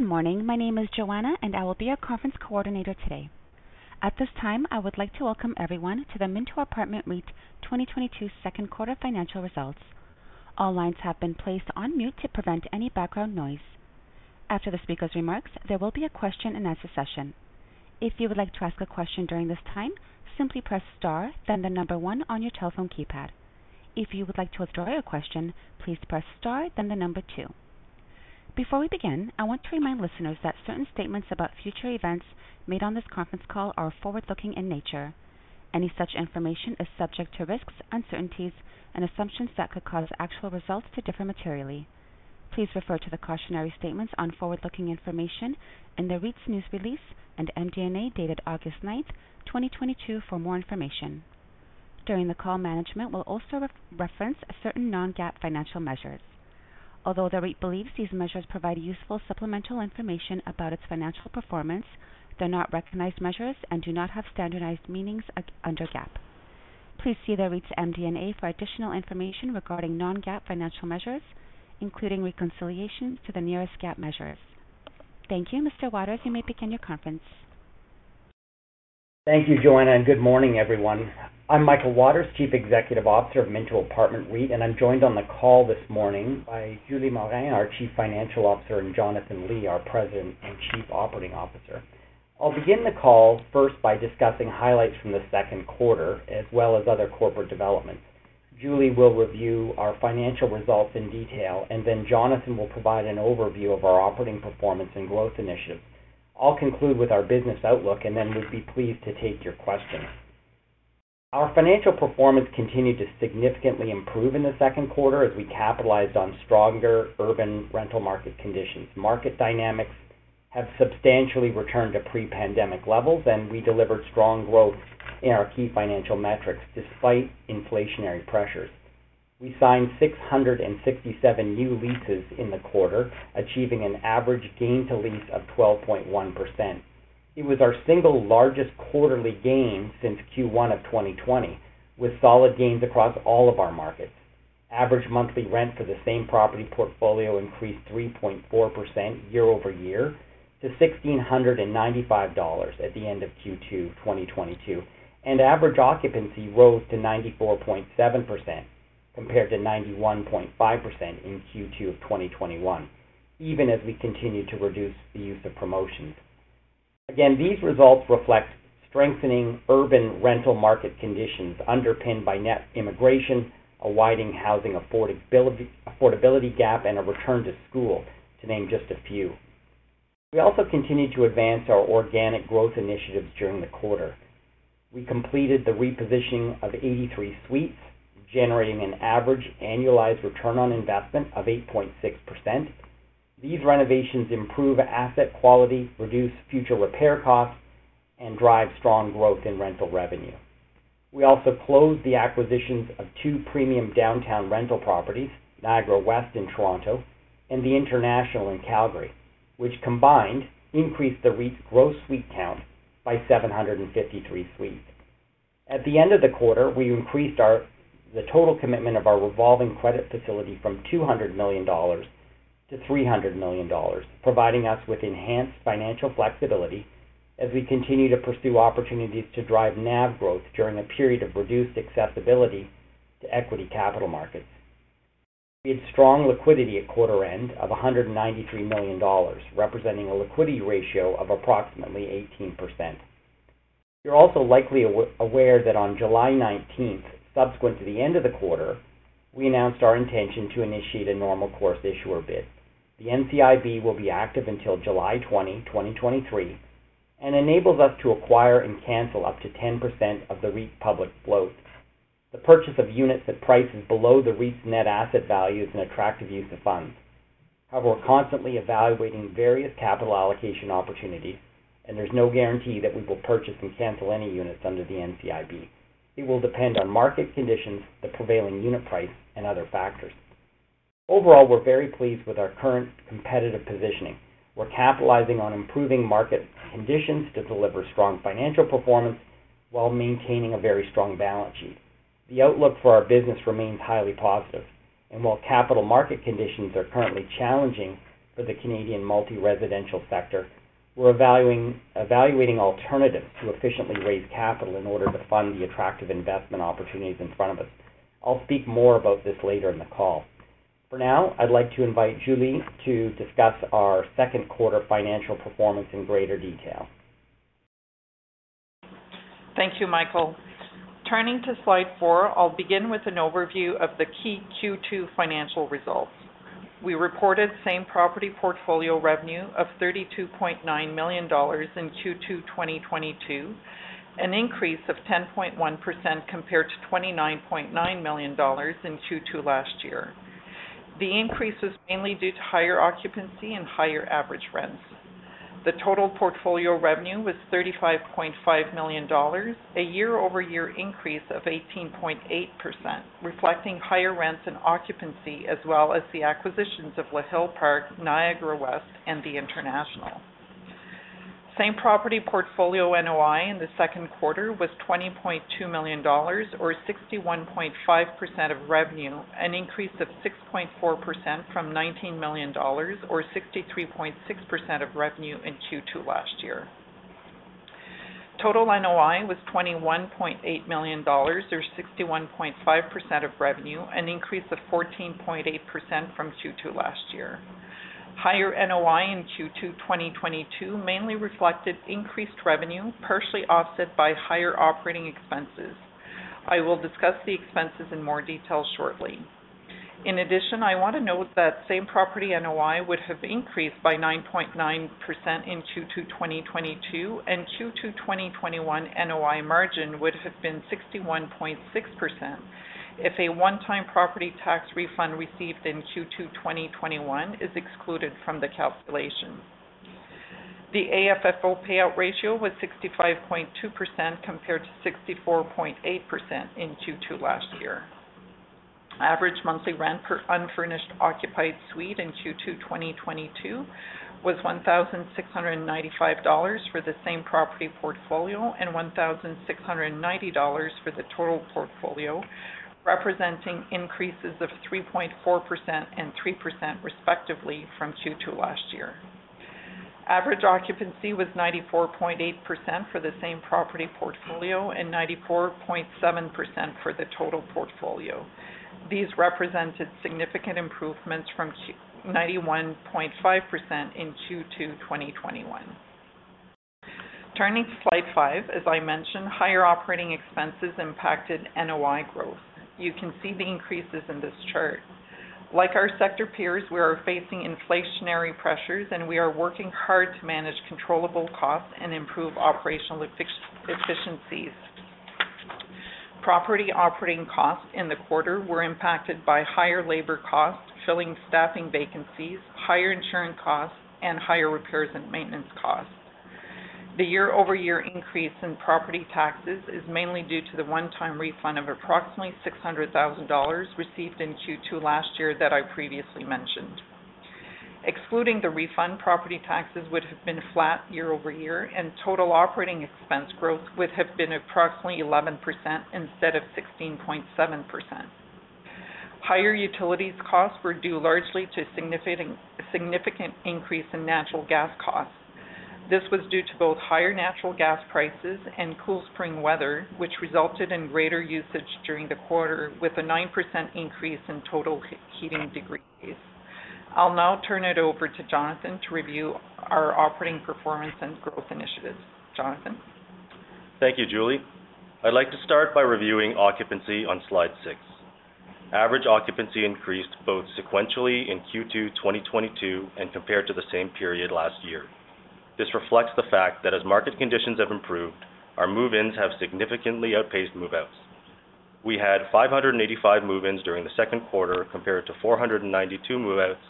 Good morning. My name is Joanna, and I will be your conference coordinator today. At this time, I would like to welcome everyone to the Minto Apartment REIT 2022 Second Quarter Financial Results. All lines have been placed on mute to prevent any background noise. After the speaker's remarks, there will be a question and answer session. If you would like to ask a question during this time, simply press star then the number one on your telephone keypad. If you would like to withdraw your question, please press star then the number two. Before we begin, I want to remind listeners that certain statements about future events made on this conference call are forward-looking in nature. Any such information is subject to risks, uncertainties, and assumptions that could cause actual results to differ materially. Please refer to the cautionary statements on forward-looking information in the REIT's news release and MD&A dated August ninth, 2022 for more information. During the call, management will also re-reference certain non-GAAP financial measures. Although the REIT believes these measures provide useful supplemental information about its financial performance, they're not recognized measures and do not have standardized meanings under GAAP. Please see the REIT's MD&A for additional information regarding non-GAAP financial measures, including reconciliation to the nearest GAAP measures. Thank you. Mr. Waters, you may begin the conference. Thank you, Joanna, and good morning, everyone. I'm Michael Waters, Chief Executive Officer of Minto Apartment REIT, and I'm joined on the call this morning by Julie Morin, our Chief Financial Officer, and Jonathan Li, our President and Chief Operating Officer. I'll begin the call first by discussing highlights from the second quarter, as well as other corporate developments. Julie will review our financial results in detail, and then Jonathan will provide an overview of our operating performance and growth initiatives. I'll conclude with our business outlook, and then we'd be pleased to take your questions. Our financial performance continued to significantly improve in the second quarter as we capitalized on stronger urban rental market conditions. Market dynamics have substantially returned to pre-pandemic levels, and we delivered strong growth in our key financial metrics despite inflationary pressures. We signed 667 new leases in the quarter, achieving an average gain to lease of 12.1%. It was our single largest quarterly gain since Q1 of 2020, with solid gains across all of our markets. Average monthly rent for the same property portfolio increased 3.4% year-over-year to 1,695 dollars at the end of Q2 2022, and average occupancy rose to 94.7% compared to 91.5% in Q2 of 2021, even as we continued to reduce the use of promotions. Again, these results reflect strengthening urban rental market conditions underpinned by net immigration, a widening housing affordability gap, and a return to school, to name just a few. We also continued to advance our organic growth initiatives during the quarter. We completed the repositioning of 83 suites, generating an average annualized return on investment of 8.6%. These renovations improve asset quality, reduce future repair costs, and drive strong growth in rental revenue. We also closed the acquisitions of two premium downtown rental properties, Niagara West in Toronto and The International in Calgary, which combined increased the REIT's gross suite count by 753 suites. At the end of the quarter, we increased the total commitment of our revolving credit facility from 200 million-300 million dollars, providing us with enhanced financial flexibility as we continue to pursue opportunities to drive NAV growth during a period of reduced accessibility to equity capital markets. We had strong liquidity at quarter end of 193 million dollars, representing a liquidity ratio of approximately 18%. You're also likely aware that on July 19th, subsequent to the end of the quarter, we announced our intention to initiate a normal course issuer bid. The NCIB will be active until July 20th, 2023, and enables us to acquire and cancel up to 10% of the REIT's public float. The purchase of units that price below the REIT's net asset value is an attractive use of funds. However, we're constantly evaluating various capital allocation opportunities, and there's no guarantee that we will purchase and cancel any units under the NCIB. It will depend on market conditions, the prevailing unit price, and other factors. Overall, we're very pleased with our current competitive positioning. We're capitalizing on improving market conditions to deliver strong financial performance while maintaining a very strong balance sheet. The outlook for our business remains highly positive. While capital market conditions are currently challenging for the Canadian multi-residential sector, we're evaluating alternatives to efficiently raise capital in order to fund the attractive investment opportunities in front of us. I'll speak more about this later in the call. For now, I'd like to invite Julie to discuss our second quarter financial performance in greater detail. Thank you, Michael. Turning to slide 4, I'll begin with an overview of the key Q2 financial results. We reported same property portfolio revenue of 32.9 million dollars in Q2 2022, an increase of 10.1% compared to 29.9 million dollars in Q2 last year. The increase was mainly due to higher occupancy and higher average rents. The total portfolio revenue was 35.5 million dollars, a year-over-year increase of 18.8%, reflecting higher rents and occupancy, as well as the acquisitions of Le Hill-Park, Niagara West, and The International. Same-property portfolio NOI in the second quarter was 20.2 million dollars or 61.5% of revenue, an increase of 6.4% from 19 million dollars or 63.6% of revenue in Q2 last year. Total NOI was 21.8 million dollars or 61.5% of revenue, an increase of 14.8% from Q2 last year. Higher NOI in Q2 2022 mainly reflected increased revenue, partially offset by higher operating expenses. I will discuss the expenses in more detail shortly. In addition, I wanna note that same property NOI would have increased by 9.9% in Q2 2022 and Q2 2021 NOI margin would have been 61.6% if a one-time property tax refund received in Q2 2021 is excluded from the calculation. The AFFO payout ratio was 65.2% compared to 64.8% in Q2 last year. Average monthly rent per unfurnished occupied suite in Q2 2022 was 1,695 dollars for the same property portfolio and 1,690 dollars for the total portfolio, representing increases of 3.4% and 3% respectively from Q2 last year. Average occupancy was 94.8% for the same property portfolio and 94.7% for the total portfolio. These represented significant improvements from 91.5% in Q2 2021. Turning to slide 5, as I mentioned, higher operating expenses impacted NOI growth. You can see the increases in this chart. Like our sector peers, we are facing inflationary pressures, and we are working hard to manage controllable costs and improve operational efficiencies. Property operating costs in the quarter were impacted by higher labor costs, filling staffing vacancies, higher insurance costs, and higher repairs and maintenance costs. The year-over-year increase in property taxes is mainly due to the one-time refund of approximately 600,000 dollars received in Q2 last year that I previously mentioned. Excluding the refund, property taxes would have been flat year-over-year, and total operating expense growth would have been approximately 11% instead of 16.7%. Higher utilities costs were due largely to significant increase in natural gas costs. This was due to both higher natural gas prices and cool spring weather, which resulted in greater usage during the quarter with a 9% increase in total heating degrees. I'll now turn it over to Jonathan to review our operating performance and growth initiatives. Jonathan. Thank you, Julie. I'd like to start by reviewing occupancy on slide 6. Average occupancy increased both sequentially in Q2 2022 and compared to the same period last year. This reflects the fact that as market conditions have improved, our move-ins have significantly outpaced move-outs. We had 585 move-ins during the second quarter compared to 492 move-outs,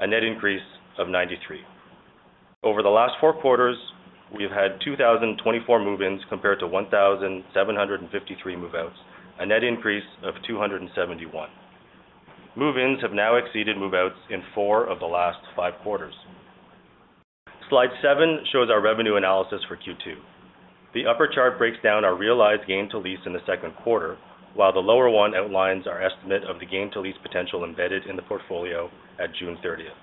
a net increase of 93. Over the last four quarters, we've had 2,024 move-ins compared to 1,753 move-outs, a net increase of 271. Move-ins have now exceeded move-outs in four of the last five quarters. Slide 7 shows our revenue analysis for Q2. The upper chart breaks down our realized gain to lease in the second quarter, while the lower one outlines our estimate of the gain to lease potential embedded in the portfolio at June 30th.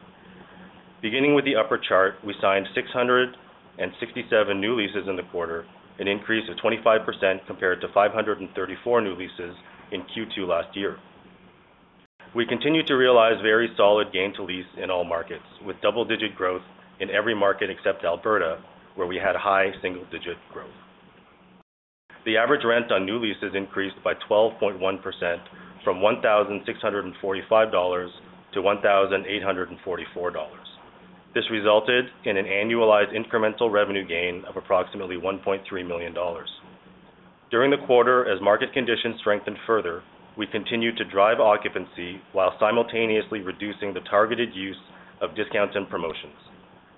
Beginning with the upper chart, we signed 667 new leases in the quarter, an increase of 25% compared to 534 new leases in Q2 last year. We continue to realize very solid gain to lease in all markets, with double-digit growth in every market except Alberta, where we had high single-digit growth. The average rent on new leases increased by 12.1% from 1,645-1,844 dollars. This resulted in an annualized incremental revenue gain of approximately 1.3 million dollars. During the quarter, as market conditions strengthened further, we continued to drive occupancy while simultaneously reducing the targeted use of discounts and promotions.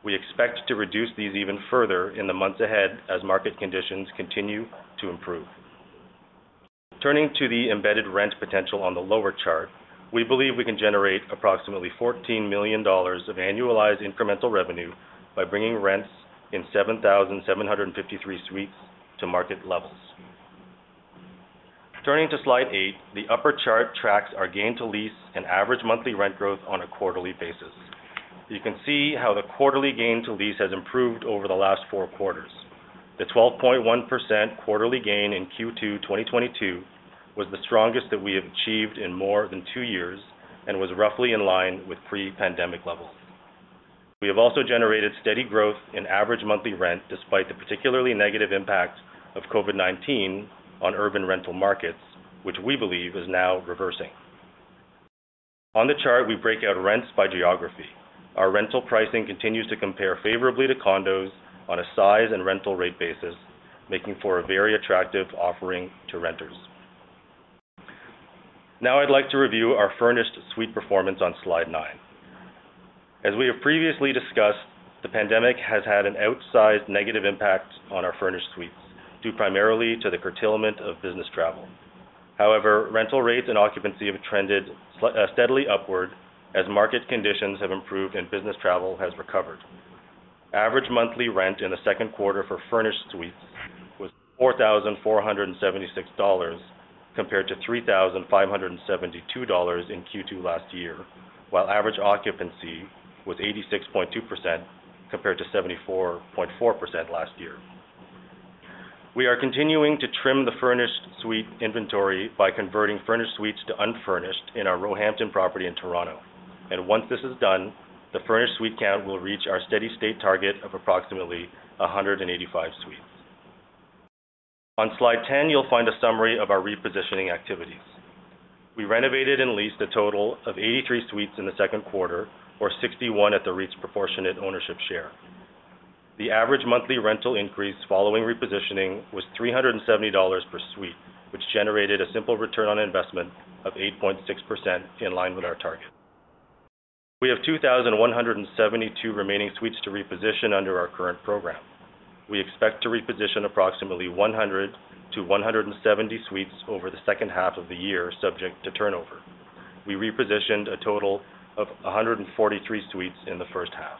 We expect to reduce these even further in the months ahead as market conditions continue to improve. Turning to the embedded rent potential on the lower chart, we believe we can generate approximately 14 million dollars of annualized incremental revenue by bringing rents in 7,753 suites to market levels. Turning to slide 8, the upper chart tracks our gain to lease and average monthly rent growth on a quarterly basis. You can see how the quarterly gain to lease has improved over the last four quarters. The 12.1% quarterly gain in Q2 2022 was the strongest that we have achieved in more than two years and was roughly in line with pre-pandemic levels. We have also generated steady growth in average monthly rent despite the particularly negative impact of COVID-19 on urban rental markets, which we believe is now reversing. On the chart, we break out rents by geography. Our rental pricing continues to compare favorably to condos on a size and rental rate basis, making for a very attractive offering to renters. Now I'd like to review our furnished suite performance on slide 9. As we have previously discussed, the pandemic has had an outsized negative impact on our furnished suites, due primarily to the curtailment of business travel. However, rental rates and occupancy have trended steadily upward as market conditions have improved and business travel has recovered. Average monthly rent in the second quarter for furnished suites was 4,476 dollars compared to 3,572 dollars in Q2 last year, while average occupancy was 86.2% compared to 74.4% last year. We are continuing to trim the furnished suite inventory by converting furnished suites to unfurnished in our Roehampton property in Toronto. Once this is done, the furnished suite count will reach our steady-state target of approximately 185 suites. On slide 10, you'll find a summary of our repositioning activities. We renovated and leased a total of 83 suites in the second quarter, or 61 at the REIT's proportionate ownership share. The average monthly rental increase following repositioning was 370 dollars per suite, which generated a simple return on investment of 8.6%, in line with our target. We have 2,172 remaining suites to reposition under our current program. We expect to reposition approximately 100 suites to 170 suites over the second half of the year, subject to turnover. We repositioned a total of 143 suites in the first half.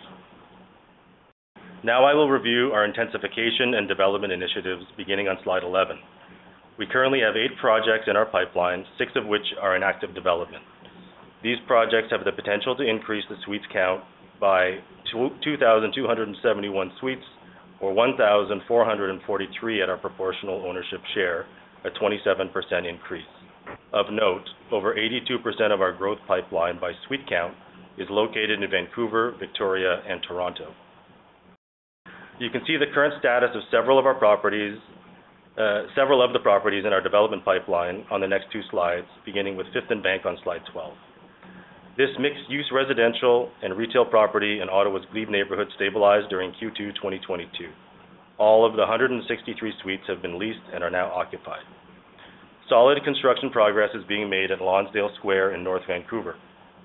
Now I will review our intensification and development initiatives beginning on slide 11. We currently have eight projects in our pipeline, six of which are in active development. These projects have the potential to increase the suites count by 2,271 suites or 1,443 at our proportional ownership share, a 27% increase. Of note, over 82% of our growth pipeline by suite count is located in Vancouver, Victoria, and Toronto. You can see the current status of several of the properties in our development pipeline on the next two slides, beginning with Fifth and Bank on slide 12. This mixed-use residential and retail property in Ottawa's Glebe neighborhood stabilized during Q2, 2022. All of the 163 suites have been leased and are now occupied. Solid construction progress is being made at Lonsdale Square in North Vancouver.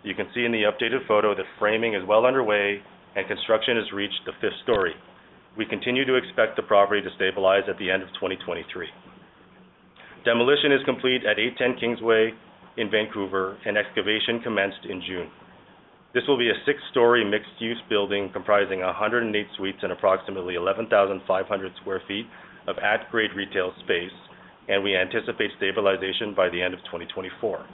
You can see in the updated photo that framing is well underway and construction has reached the fifth story. We continue to expect the property to stabilize at the end of 2023. Demolition is complete at 810 Kingsway in Vancouver, and excavation commenced in June. This will be a six-story mixed-use building comprising 108 suites and approximately 11,500 sq ft of at-grade retail space, and we anticipate stabilization by the end of 2024.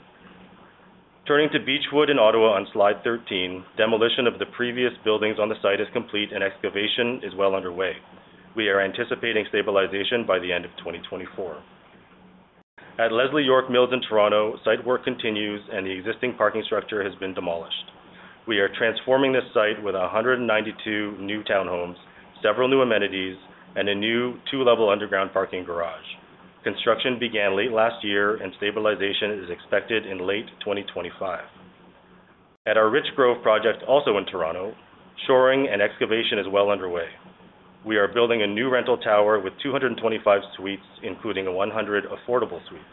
Turning to Beechwood in Ottawa on slide 13, demolition of the previous buildings on the site is complete and excavation is well underway. We are anticipating stabilization by the end of 2024. At Leslie York Mills in Toronto, site work continues, and the existing parking structure has been demolished. We are transforming this site with 192 new townhomes, several new amenities, and a new two-level underground parking garage. Construction began late last year, and stabilization is expected in late 2025. At our Richgrove project, also in Toronto, shoring and excavation is well underway. We are building a new rental tower with 225 suites, including 100 affordable suites.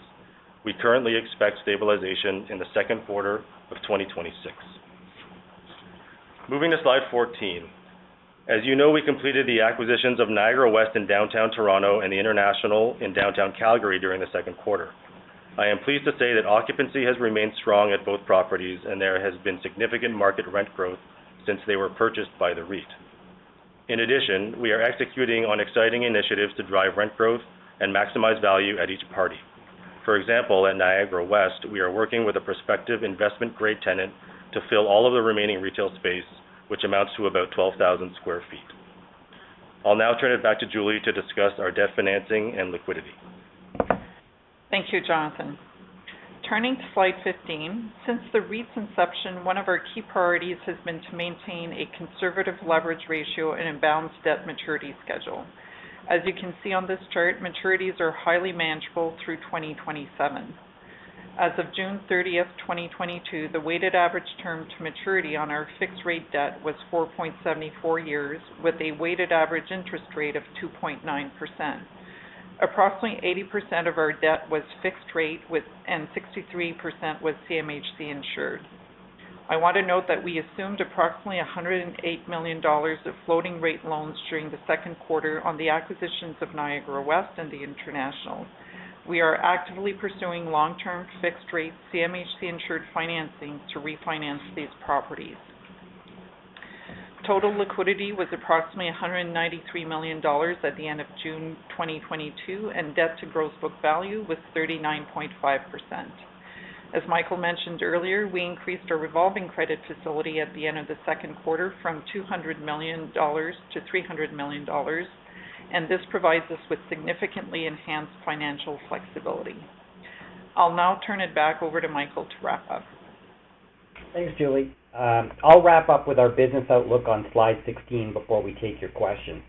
We currently expect stabilization in the second quarter of 2026. Moving to slide 14. As you know, we completed the acquisitions of Niagara West in downtown Toronto and the International in downtown Calgary during the second quarter. I am pleased to say that occupancy has remained strong at both properties, and there has been significant market rent growth since they were purchased by the REIT. In addition, we are executing on exciting initiatives to drive rent growth and maximize value at each property. For example, at Niagara West, we are working with a prospective investment-grade tenant to fill all of the remaining retail space, which amounts to about 12,000 sq ft. I'll now turn it back to Julie to discuss our debt financing and liquidity. Thank you, Jonathan. Turning to slide 15, since the REIT's inception, one of our key priorities has been to maintain a conservative leverage ratio and a balanced debt maturity schedule. As you can see on this chart, maturities are highly manageable through 2027. As of June 30, 2022, the weighted average term to maturity on our fixed-rate debt was 4.74 years, with a weighted average interest rate of 2.9%. Approximately 80% of our debt was fixed rate, and 63% was CMHC insured. I want to note that we assumed approximately 108 million dollars of floating rate loans during the second quarter on the acquisitions of Niagara West and the International. We are actively pursuing long-term fixed rate CMHC-insured financing to refinance these properties. Total liquidity was approximately 193 million dollars at the end of June 2022, and debt to gross book value was 39.5%. As Michael mentioned earlier, we increased our revolving credit facility at the end of the second quarter from 200 million-300 million dollars, and this provides us with significantly enhanced financial flexibility. I'll now turn it back over to Michael to wrap up. Thanks, Julie. I'll wrap up with our business outlook on slide 16 before we take your questions.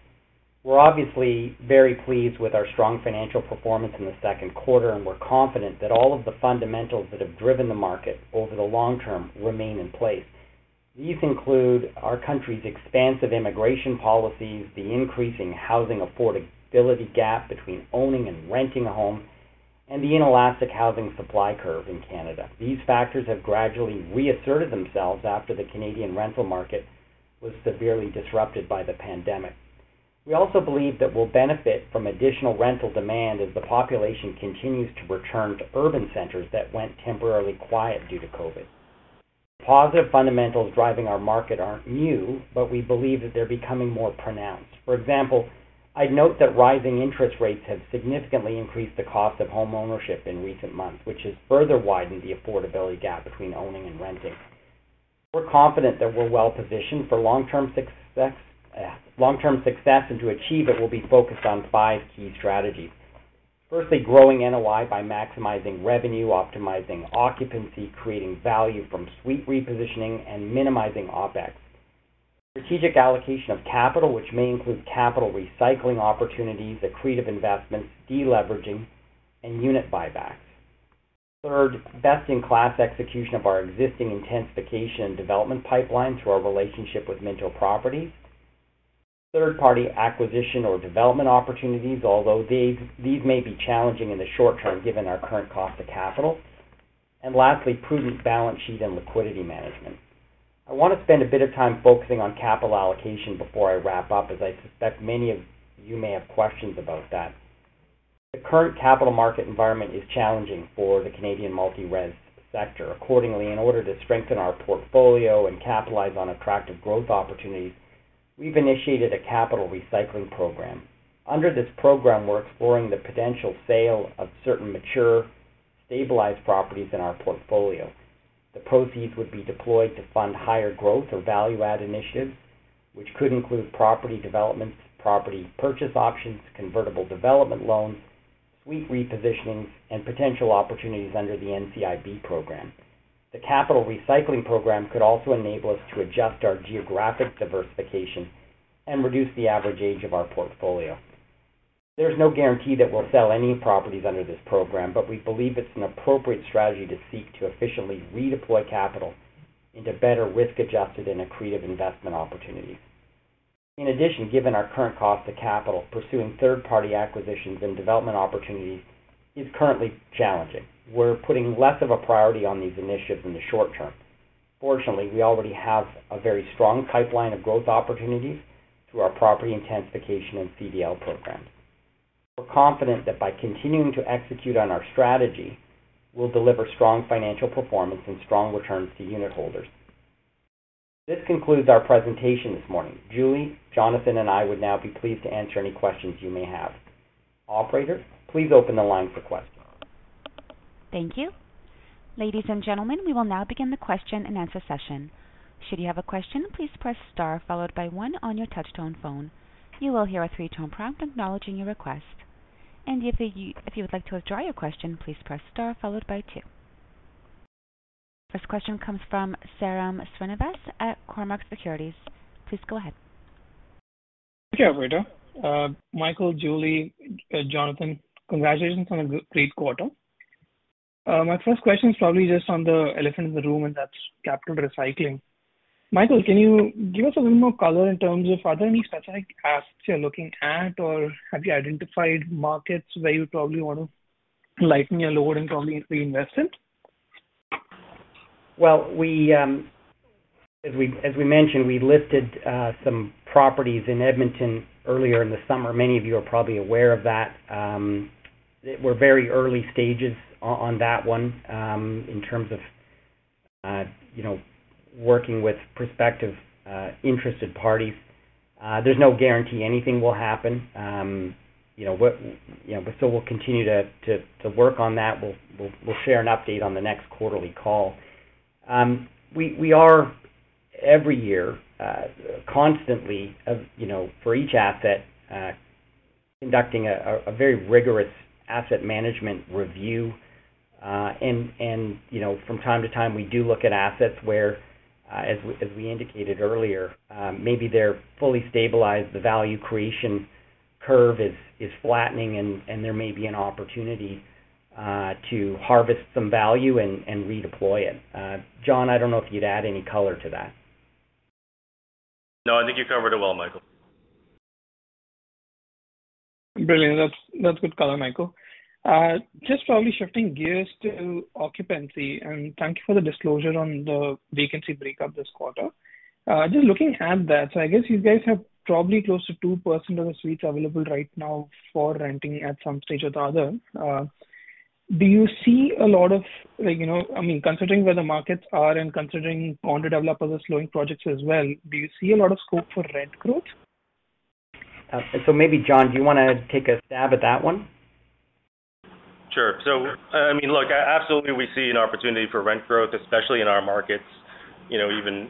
We're obviously very pleased with our strong financial performance in the second quarter, and we're confident that all of the fundamentals that have driven the market over the long term remain in place. These include our country's expansive immigration policies, the increasing housing affordability gap between owning and renting a home, and the inelastic housing supply curve in Canada. These factors have gradually reasserted themselves after the Canadian rental market was severely disrupted by the pandemic. We also believe that we'll benefit from additional rental demand as the population continues to return to urban centers that went temporarily quiet due to COVID. Positive fundamentals driving our market aren't new, but we believe that they're becoming more pronounced. For example, I'd note that rising interest rates have significantly increased the cost of homeownership in recent months, which has further widened the affordability gap between owning and renting. We're confident that we're well-positioned for long-term success, and to achieve it, we'll be focused on five key strategies. Firstly, growing NOI by maximizing revenue, optimizing occupancy, creating value from suite repositioning, and minimizing OpEx. Strategic allocation of capital, which may include capital recycling opportunities, accretive investments, deleveraging, and unit buybacks. Third, best-in-class execution of our existing intensification development pipeline through our relationship with Minto Properties. Third-party acquisition or development opportunities, although these may be challenging in the short term given our current cost of capital. Lastly, prudent balance sheet and liquidity management. I wanna spend a bit of time focusing on capital allocation before I wrap up, as I suspect many of you may have questions about that. The current capital market environment is challenging for the Canadian multi-res sector. Accordingly, in order to strengthen our portfolio and capitalize on attractive growth opportunities, we've initiated a capital recycling program. Under this program, we're exploring the potential sale of certain mature, stabilized properties in our portfolio. The proceeds would be deployed to fund higher growth or value-add initiatives, which could include property developments, property purchase options, convertible development loans, suite repositionings, and potential opportunities under the NCIB program. The capital recycling program could also enable us to adjust our geographic diversification and reduce the average age of our portfolio. There's no guarantee that we'll sell any properties under this program, but we believe it's an appropriate strategy to seek to efficiently redeploy capital into better risk-adjusted and accretive investment opportunities. In addition, given our current cost of capital, pursuing third-party acquisitions and development opportunities is currently challenging. We're putting less of a priority on these initiatives in the short term. Fortunately, we already have a very strong pipeline of growth opportunities through our property intensification and CDL programs. We're confident that by continuing to execute on our strategy, we'll deliver strong financial performance and strong returns to unitholders. This concludes our presentation this morning. Julie, Jonathan, and I would now be pleased to answer any questions you may have. Operator, please open the line for questions. Thank you. Ladies and gentlemen, we will now begin the question-and-answer session. Should you have a question, please press star followed by one on your touch-tone phone. You will hear a three-tone prompt acknowledging your request. If you would like to withdraw your question, please press star followed by two. First question comes from Sairam Srinivas at Cormark Securities. Please go ahead. Thank you, operator. Michael, Julie, Jonathan, congratulations on a great quarter. My first question is probably just on the elephant in the room, and that's capital recycling. Michael, can you give us a little more color in terms of are there any specific assets you're looking at, or have you identified markets where you probably want to lighten your load and probably reinvest it? Well, as we mentioned, we listed some properties in Edmonton earlier in the summer. Many of you are probably aware of that. We're very early stages on that one, in terms of, you know, working with prospective interested parties. There's no guarantee anything will happen. You know, so we'll continue to work on that. We'll share an update on the next quarterly call. We are every year constantly, you know, for each asset, conducting a very rigorous asset management review. You know, from time-to-time, we do look at assets where, as we indicated earlier, maybe they're fully stabilized, the value creation curve is flattening, and there may be an opportunity to harvest some value and redeploy it. Jonathan, I don't know if you'd add any color to that. No, I think you covered it well, Michael. Brilliant. That's good color, Michael. Just probably shifting gears to occupancy, and thank you for the disclosure on the vacancy breakdown this quarter. Just looking at that, so I guess you guys have probably close to 2% of the suites available right now for renting at some stage or the other. Do you see a lot of like, you know, I mean, considering where the markets are and considering other developers are slowing projects as well, do you see a lot of scope for rent growth? Maybe, Jon, do you wanna take a stab at that one? Sure. I mean, look, absolutely, we see an opportunity for rent growth, especially in our markets. You know,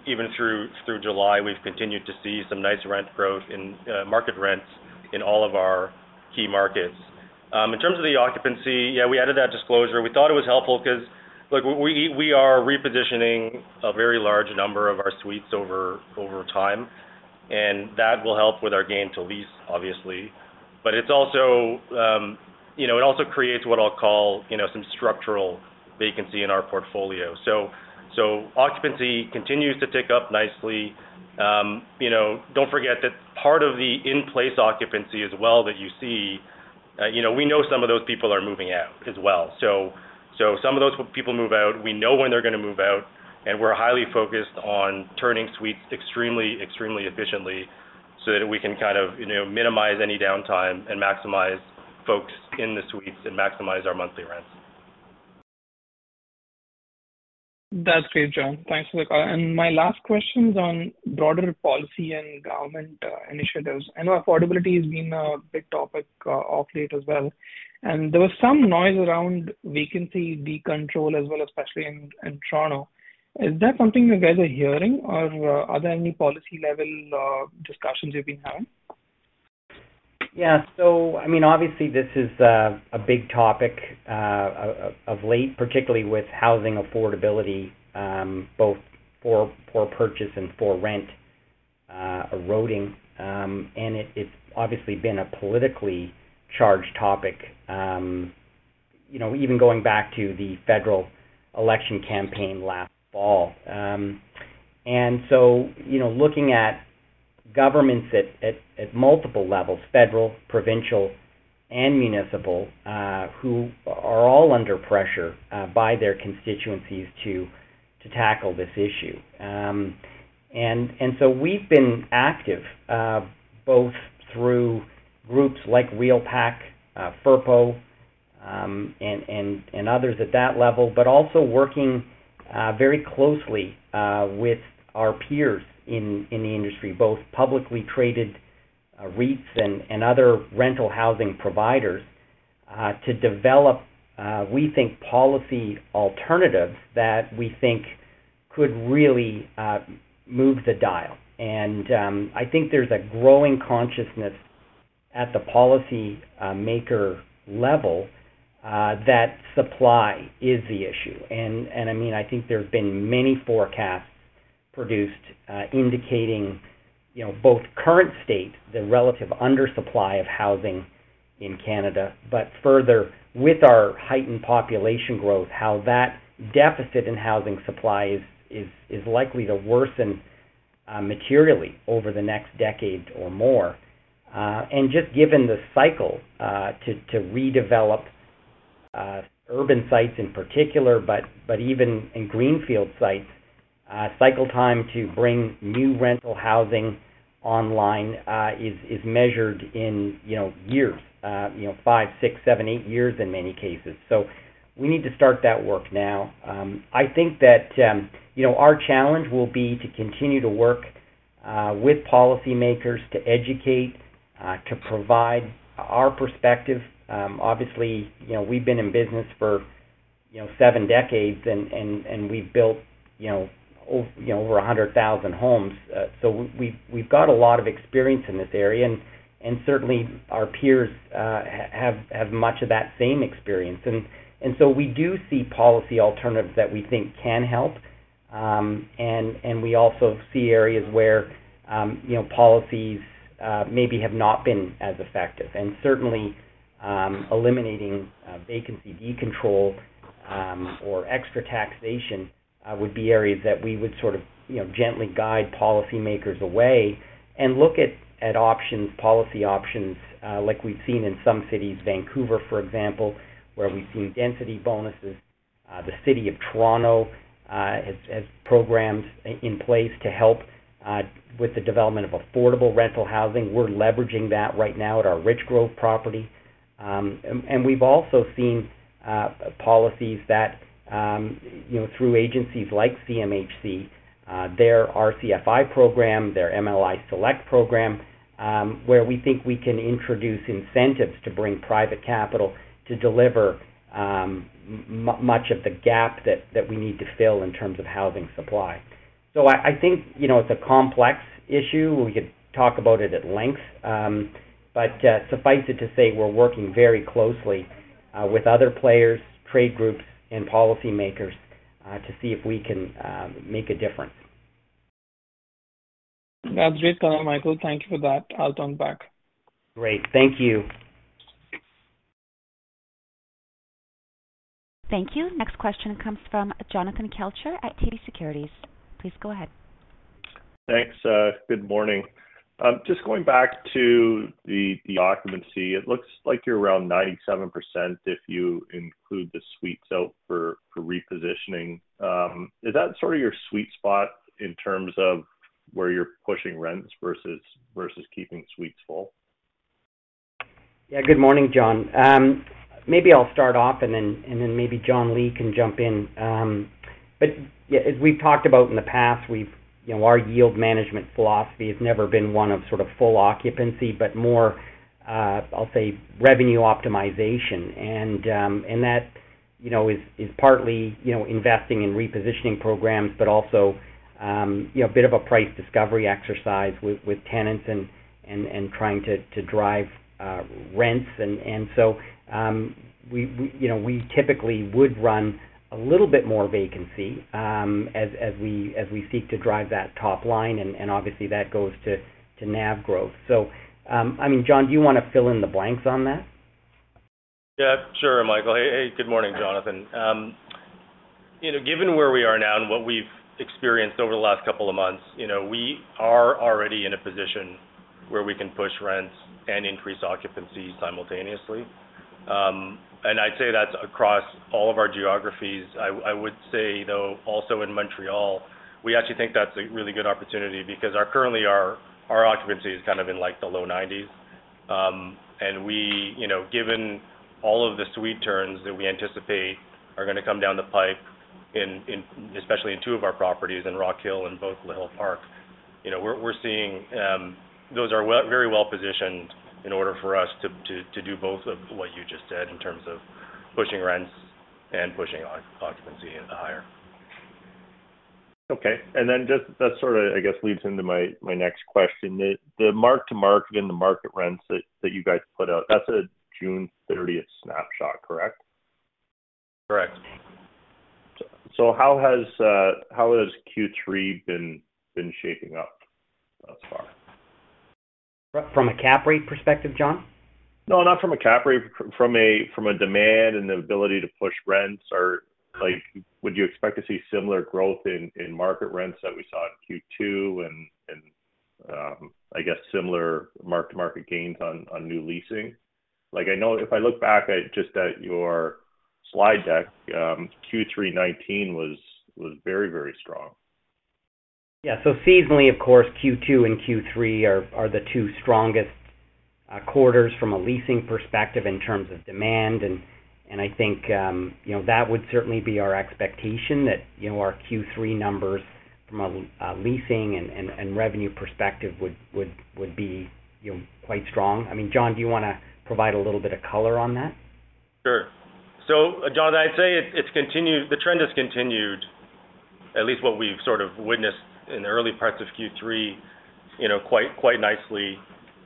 even through July, we've continued to see some nice rent growth in market rents in all of our key markets. In terms of the occupancy, yeah, we added that disclosure. We thought it was helpful 'cause, look, we are repositioning a very large number of our suites over time, and that will help with our gain to lease, obviously. But it's also, you know, it also creates what I'll call, you know, some structural vacancy in our portfolio. Occupancy continues to tick up nicely. You know, don't forget that part of the in-place occupancy as well that you see. You know, we know some of those people are moving out as well. Some of those people move out. We know when they're gonna move out, and we're highly focused on turning suites extremely efficiently so that we can kind of, you know, minimize any downtime and maximize folks in the suites and maximize our monthly rents. That's great, Jon. Thanks for the call. My last question is on broader policy and government initiatives. I know affordability has been a big topic of late as well, and there was some noise around vacancy decontrol as well, especially in Toronto. Is that something you guys are hearing or are there any policy-level discussions you've been having? I mean, obviously this is a big topic of late, particularly with housing affordability both for purchase and for rent eroding. It's obviously been a politically charged topic, you know, even going back to the federal election campaign last fall. You know, looking at governments at multiple levels, federal, provincial, and municipal, who are all under pressure by their constituencies to tackle this issue. We've been active both through groups like REALPAC, FRPO, and others at that level, but also working very closely with our peers in the industry, both publicly traded REITs and other rental housing providers to develop we think policy alternatives that we think could really move the dial. I think there's a growing consciousness at the policymaker level that supply is the issue. I mean, I think there have been many forecasts produced indicating you know both the current state, the relative undersupply of housing in Canada, but further with our heightened population growth, how that deficit in housing supply is likely to worsen materially over the next decade or more. Just given the cycle to redevelop urban sites in particular, but even in greenfield sites, cycle time to bring new rental housing online is measured in you know years you know five years, six years, seven years, eight years in many cases. We need to start that work now. I think that, you know, our challenge will be to continue to work with policymakers to educate, to provide our perspective. Obviously, you know, we've been in business for, you know, seven decades and we've built, you know, over 100,000 homes. So we've got a lot of experience in this area, and certainly our peers have much of that same experience. We do see policy alternatives that we think can help. We also see areas where, you know, policies maybe have not been as effective. Certainly, eliminating vacancy decontrol or extra taxation would be areas that we would sort of, you know, gently guide policymakers away and look at options, policy options, like we've seen in some cities, Vancouver, for example, where we've seen density bonuses. The City of Toronto has programs in place to help with the development of affordable rental housing. We're leveraging that right now at our Richgrove property. We've also seen policies that, you know, through agencies like CMHC, their RCFI program, their MLI Select program, where we think we can introduce incentives to bring private capital to deliver much of the gap that we need to fill in terms of housing supply. I think, you know, it's a complex issue. We could talk about it at length. Suffice it to say, we're working very closely with other players, trade groups, and policymakers to see if we can make a difference. That's great. Michael, thank you for that. I'll turn it back. Great. Thank you. Thank you. Next question comes from Jonathan Kelcher at TD Securities. Please go ahead. Thanks. Good morning. Just going back to the occupancy, it looks like you're around 97% if you include the suites out for repositioning. Is that sort of your sweet spot in terms of where you're pushing rents versus keeping suites full? Yeah. Good morning, Jon. Maybe I'll start off, and then maybe Jonathan Li can jump in. But yeah, as we've talked about in the past, you know, our yield management philosophy has never been one of sort of full occupancy, but more, I'll say revenue optimization. And that, you know, is partly, you know, investing in repositioning programs, but also, you know, a bit of a price discovery exercise with tenants and trying to drive rents. And so, you know, we typically would run a little bit more vacancy as we seek to drive that top line. And obviously that goes to NAV growth. I mean, Jon, do you wanna fill in the blanks on that? Yeah, sure, Michael. Hey. Good morning, Jonathan? YOu know, given where we are now and what we've experienced over the last couple of months, you know, we are already in a position where we can push rents and increase occupancy simultaneously. I'd say that's across all of our geographies. I would say though, also in Montréal, we actually think that's a really good opportunity because our occupancy is kind of in like the low 90%s. We, you know, given all of the suite turns that we anticipate are gonna come down the pipe in especially in two of our properties in Rockhill and Le Hill-Park, you know, we're seeing those are very well-positioned in order for us to do both of what you just said in terms of pushing rents and pushing occupancy into higher. Okay. Just that sort of, I guess, leads into my next question. The mark-to-market and the market rents that you guys put out, that's a June 30th snapshot, correct? Correct. How has Q3 been shaping up thus far? From a cap rate perspective, Jon? No, not from a cap rate. From a demand and the ability to push rents or like, would you expect to see similar growth in market rents that we saw in Q2 and I guess, similar mark-to-market gains on new leasing? Like I know if I look back at just at your slide deck, Q3 2019 was very strong. Yeah. Seasonally, of course, Q2 and Q3 are the two strongest quarters from a leasing perspective in terms of demand. I think you know that would certainly be our expectation that you know our Q3 numbers from a leasing and revenue perspective would be you know quite strong. I mean, Jonathan Li, do you wanna provide a little bit of color on that? Sure. John, I'd say it's continued. The trend has continued at least what we've sort of witnessed in the early parts of Q3, you know, quite nicely.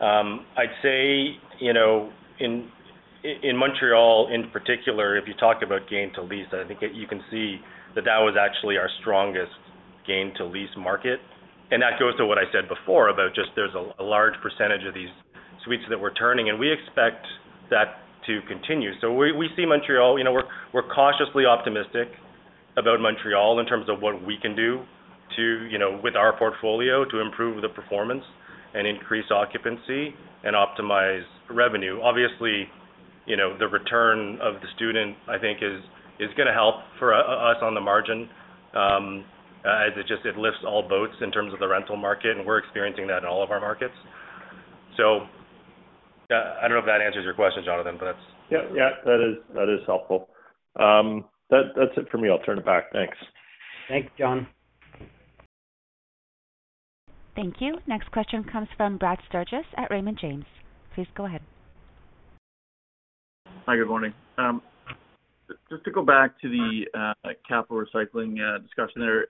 I'd say, you know, in Montreal in particular if you talk about gain to lease, I think that you can see that was actually our strongest gain to lease market. That goes to what I said before about just there's a large percentage of these suites that we're turning, and we expect that to continue. We see Montreal, you know, we're cautiously optimistic about Montreal in terms of what we can do to, you know, with our portfolio to improve the performance and increase occupancy and optimize revenue. Obviously, you know, the return of the student, I think is gonna help for us on the margin, as it just, it lifts all boats in terms of the rental market, and we're experiencing that in all of our markets. I don't know if that answers your question, Jonathan, but that's. Yeah. That is helpful. That's it for me. I'll turn it back. Thanks. Thanks, Jon. Thank you. Next question comes from Brad Sturges at Raymond James. Please go ahead. Hi. Good morning. Just to go back to the capital recycling discussion there.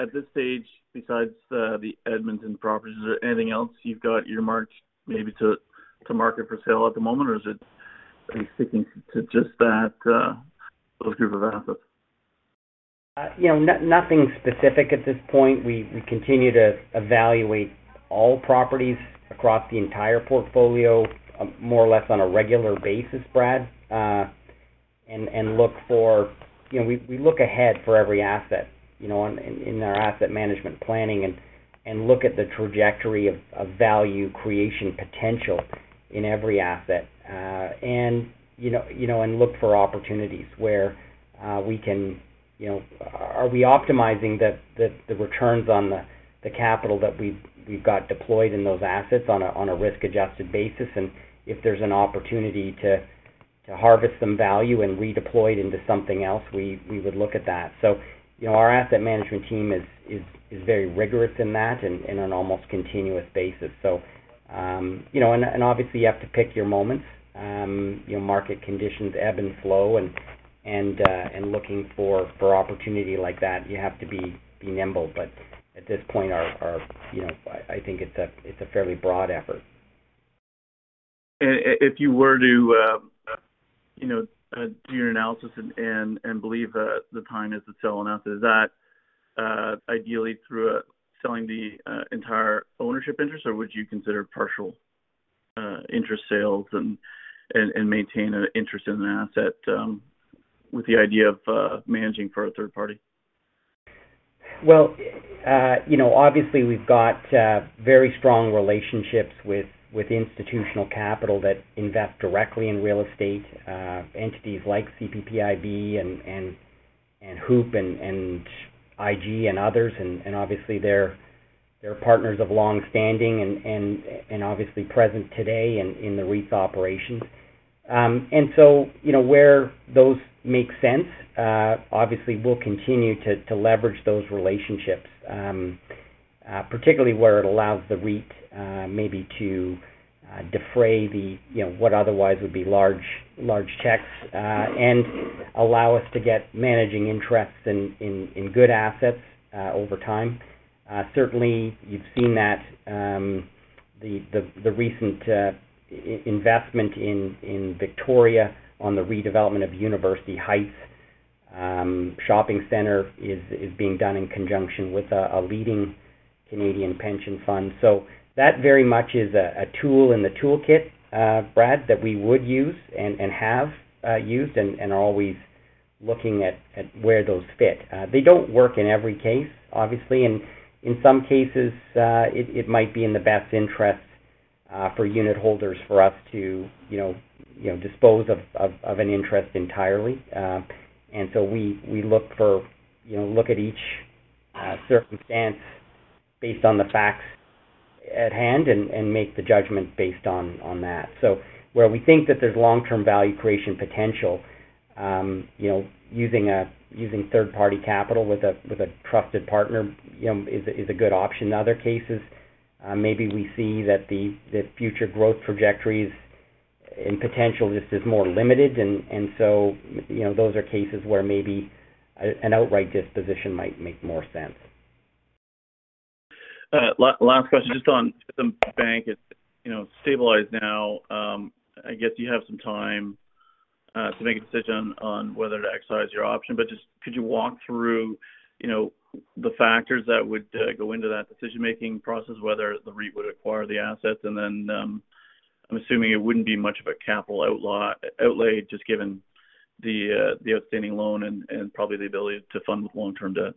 At this stage, besides the Edmonton properties, is there anything else you've got earmarked maybe to market for sale at the moment? Or are you sticking to just that, those group of assets? You know, nothing specific at this point. We continue to evaluate all properties across the entire portfolio, more or less on a regular basis, Brad. And look for... You know, we look ahead for every asset, you know, in our asset management planning and look at the trajectory of value creation potential in every asset. And you know, look for opportunities where we can, you know... Are we optimizing the returns on the capital that we've got deployed in those assets on a risk-adjusted basis? And if there's an opportunity to harvest some value and redeploy it into something else, we would look at that. You know, our asset management team is very rigorous in that on an almost continuous basis. You know, and obviously you have to pick your moments. You know, market conditions Ebb and Flow and looking for opportunity like that, you have to be nimble. At this point our you know, I think it's a fairly broad effort. If you were to, you know, do your analysis and believe that the time is to sell an asset, is that ideally through selling the entire ownership interest, or would you consider partial interest sales and maintain an interest in an asset with the idea of managing for a third party? Well, you know, obviously we've got very strong relationships with institutional capital that invest directly in real estate entities like CPPIB and HOOPP and IG and others. Obviously they're partners of long-standing and obviously present today in the REIT's operations. You know, where those make sense, obviously we'll continue to leverage those relationships, particularly where it allows the REIT maybe to defray the, you know, what otherwise would be large checks and allow us to get managing interests in good assets over time. Certainly you've seen that the recent investment in Victoria on the redevelopment of University Heights Shopping Centre is being done in conjunction with a leading Canadian pension funds. That very much is a tool in the toolkit, Brad, that we would use and have used and are always looking at where those fit. They don't work in every case, obviously. In some cases, it might be in the best interest for unitholders for us to you know dispose of an interest entirely. We look you know at each circumstance based on the facts at hand and make the judgment based on that. Where we think that there's long-term value creation potential, you know, using third-party capital with a trusted partner, you know, is a good option. In other cases, maybe we see that the future growth trajectories and potential just is more limited and so, you know, those are cases where maybe an outright disposition might make more sense. Last question just on Fifth and Bank. It's, you know, stabilized now. I guess you have some time to make a decision on whether to exercise your option. Just could you walk through, you know, the factors that would go into that decision-making process whether the REIT would acquire the assets? I'm assuming it wouldn't be much of a capital outlay, just given the outstanding loan and probably the ability to fund with long-term debt.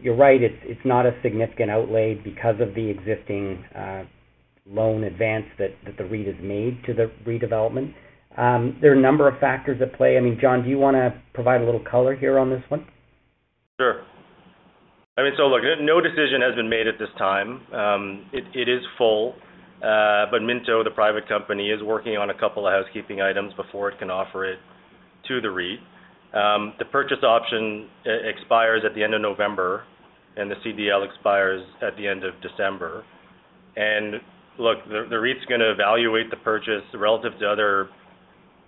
You're right, it's not a significant outlay because of the existing loan advance that the REIT has made to the redevelopment. There are a number of factors at play. I mean, Jon, do you wanna provide a little color here on this one? Sure. I mean, look, no decision has been made at this time. It is full. Minto, the private company, is working on a couple of housekeeping items before it can offer it to the REIT. The purchase option expires at the end of November, and the CDL expires at the end of December. Look, the REIT's gonna evaluate the purchase relative to other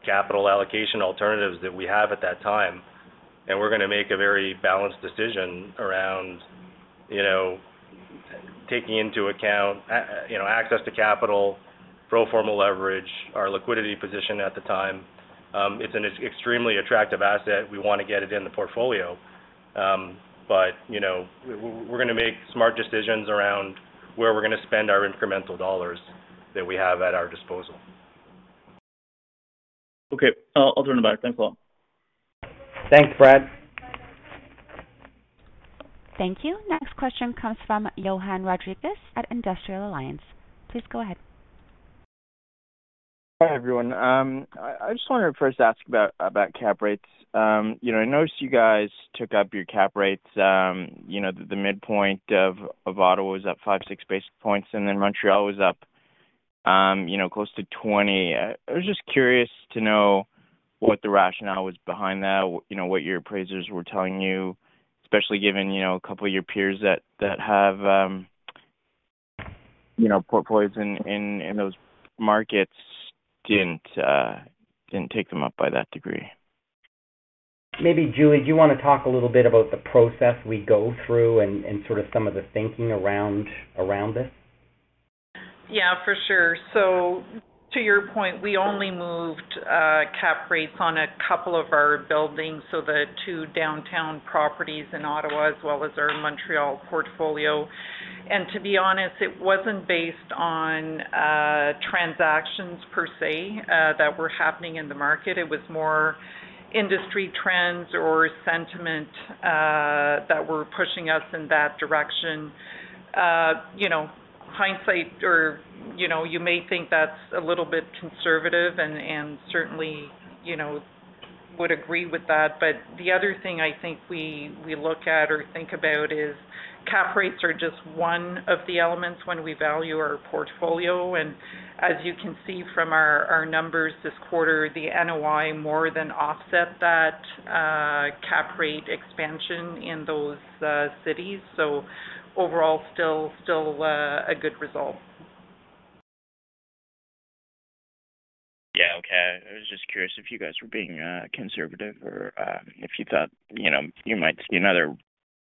capital allocation alternatives that we have at that time, and we're gonna make a very balanced decision around, you know, taking into account, you know, access to capital, pro forma leverage, our liquidity position at the time. It's an extremely attractive asset. We wanna get it in the portfolio. You know, we're gonna make smart decisions around where we're gonna spend our incremental dollars that we have at our disposal. Okay. I'll turn it back. Thanks a lot. Thanks, Brad. Thank you. Next question comes from Johann Rodrigues at Industrial Alliance. Please go ahead. Hi, everyone. I just wanted to first ask about cap rates. You know, I noticed you guys took up your cap rates, you know, the midpoint of Ottawa was up 5-6 basis points, and then Montreal was up, you know, close to 20 bips. I was just curious to know what the rationale was behind that, you know, what your appraisers were telling you, especially given, you know, a couple of your peers that have, you know, portfolios in those markets didn't take them up by that degree. Maybe, Julie, do you wanna talk a little bit about the process we go through and sort of some of the thinking around this? Yeah, for sure. To your point, we only moved cap rates on a couple of our buildings, so the two downtown properties in Ottawa as well as our Montreal portfolio. To be honest, it wasn't based on transactions per se that were happening in the market. It was more industry trends or sentiment that were pushing us in that direction. You know, in hindsight, you know, you may think that's a little bit conservative and certainly, you know, would agree with that. The other thing I think we look at or think about is cap rates are just one of the elements when we value our portfolio. As you can see from our numbers this quarter, the NOI more than offset that cap rate expansion in those cities. Overall, still a good result. Yeah, okay. I was just curious if you guys were being conservative or if you thought, you know, you might see another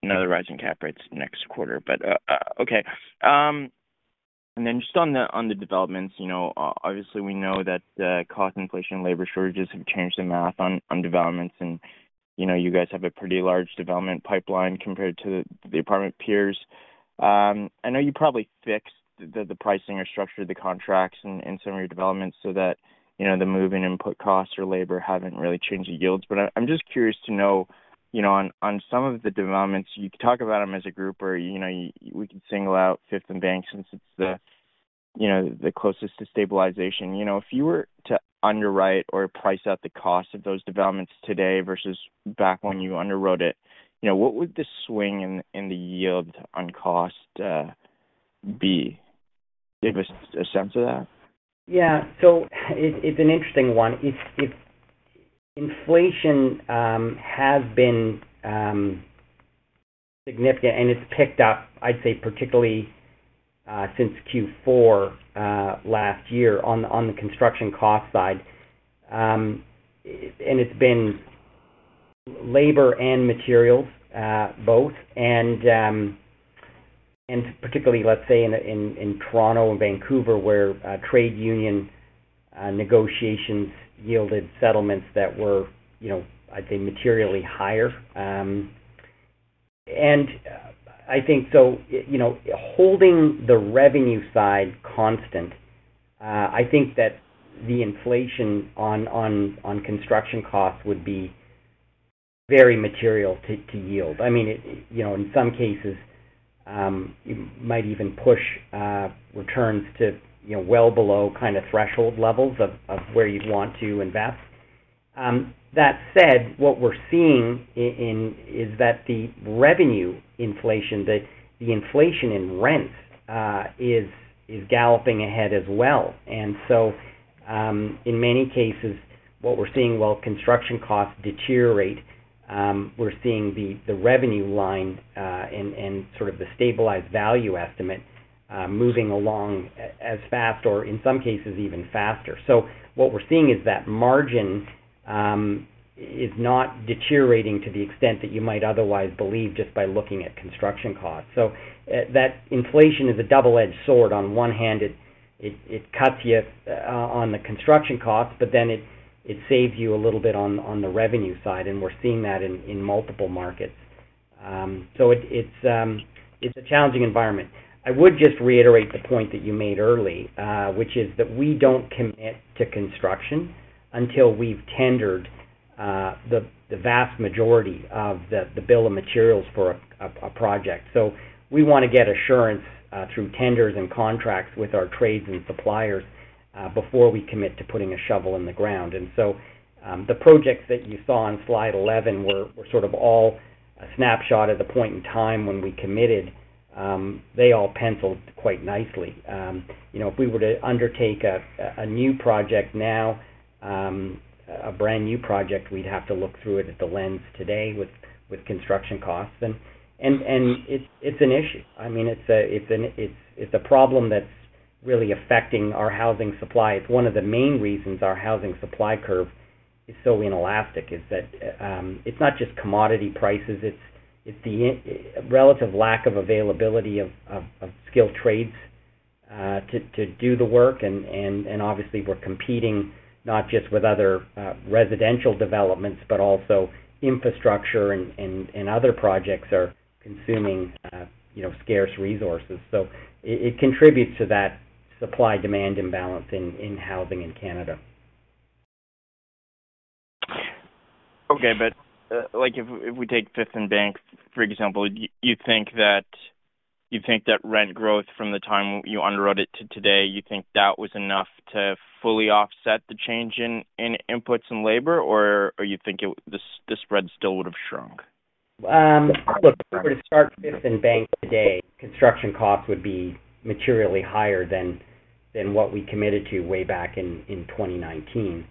rise in cap rates next quarter. Okay. Just on the developments. You know, obviously, we know that cost inflation and labor shortages have changed the math on developments. You know, you guys have a pretty large development pipeline compared to the apartment peers. I know you probably fixed the pricing or structured the contracts in some of your developments so that, you know, the moving input costs or labor haven't really changed the yields. I'm just curious to know, you know, on some of the developments, you could talk about them as a group or, you know, we could single out Fifth and Bank since it's the, you know, the closest to stabilization. You know, if you were to underwrite or price out the cost of those developments today versus back when you underwrote it, you know, what would the swing in the yield on cost be? Do you have a sense of that? Yeah. It's an interesting one. If inflation has been significant and it's picked up, I'd say, particularly since Q4 last year on the construction cost side. It's been labor and materials both. Particularly, let's say in Toronto and Vancouver, where trade union negotiations yielded settlements that were, you know, I'd say materially higher. I think so, you know, holding the revenue side constant, I think that the inflation on construction costs would be very material to yield. I mean, it, you know, in some cases, it might even push returns to, you know, well below kind of threshold levels of where you'd want to invest. That said, what we're seeing in is that the revenue inflation, the inflation in rent, is galloping ahead as well. In many cases, what we're seeing while construction costs deteriorate, we're seeing the revenue line and sort of the stabilized value estimate moving along as fast or in some cases even faster. What we're seeing is that margin is not deteriorating to the extent that you might otherwise believe just by looking at construction costs. That inflation is a double-edged sword. On one hand, it cuts you on the construction costs, but then it saves you a little bit on the revenue side, and we're seeing that in multiple markets. It's a challenging environment. I would just reiterate the point that you made early, which is that we don't commit to construction until we've tendered the vast majority of the bill of materials for a project. So we wanna get assurance through tenders and contracts with our trades and suppliers before we commit to putting a shovel in the ground. The projects that you saw on slide 11 were sort of all a snapshot at the point in time when we committed, they all penciled quite nicely. You know, if we were to undertake a new project now, a brand-new project, we'd have to look at it through the lens today with construction costs. It's an issue. I mean, it's a problem that's really affecting our housing supply. It's one of the main reasons our housing supply curve is so inelastic, is that it's not just commodity prices, it's the relative lack of availability of skilled trades to do the work. Obviously we're competing not just with other residential developments, but also infrastructure and other projects are consuming you know scarce resources. It contributes to that supply-demand imbalance in housing in Canada. Like if we take Fifth and Bank, for example, you think that rent growth from the time you underwrote it to today was enough to fully offset the change in inputs and labor? Or are you thinking the spread still would have shrunk? Look, if we were to start Fifth and Bank today, construction costs would be materially higher than what we committed to way back in 2019.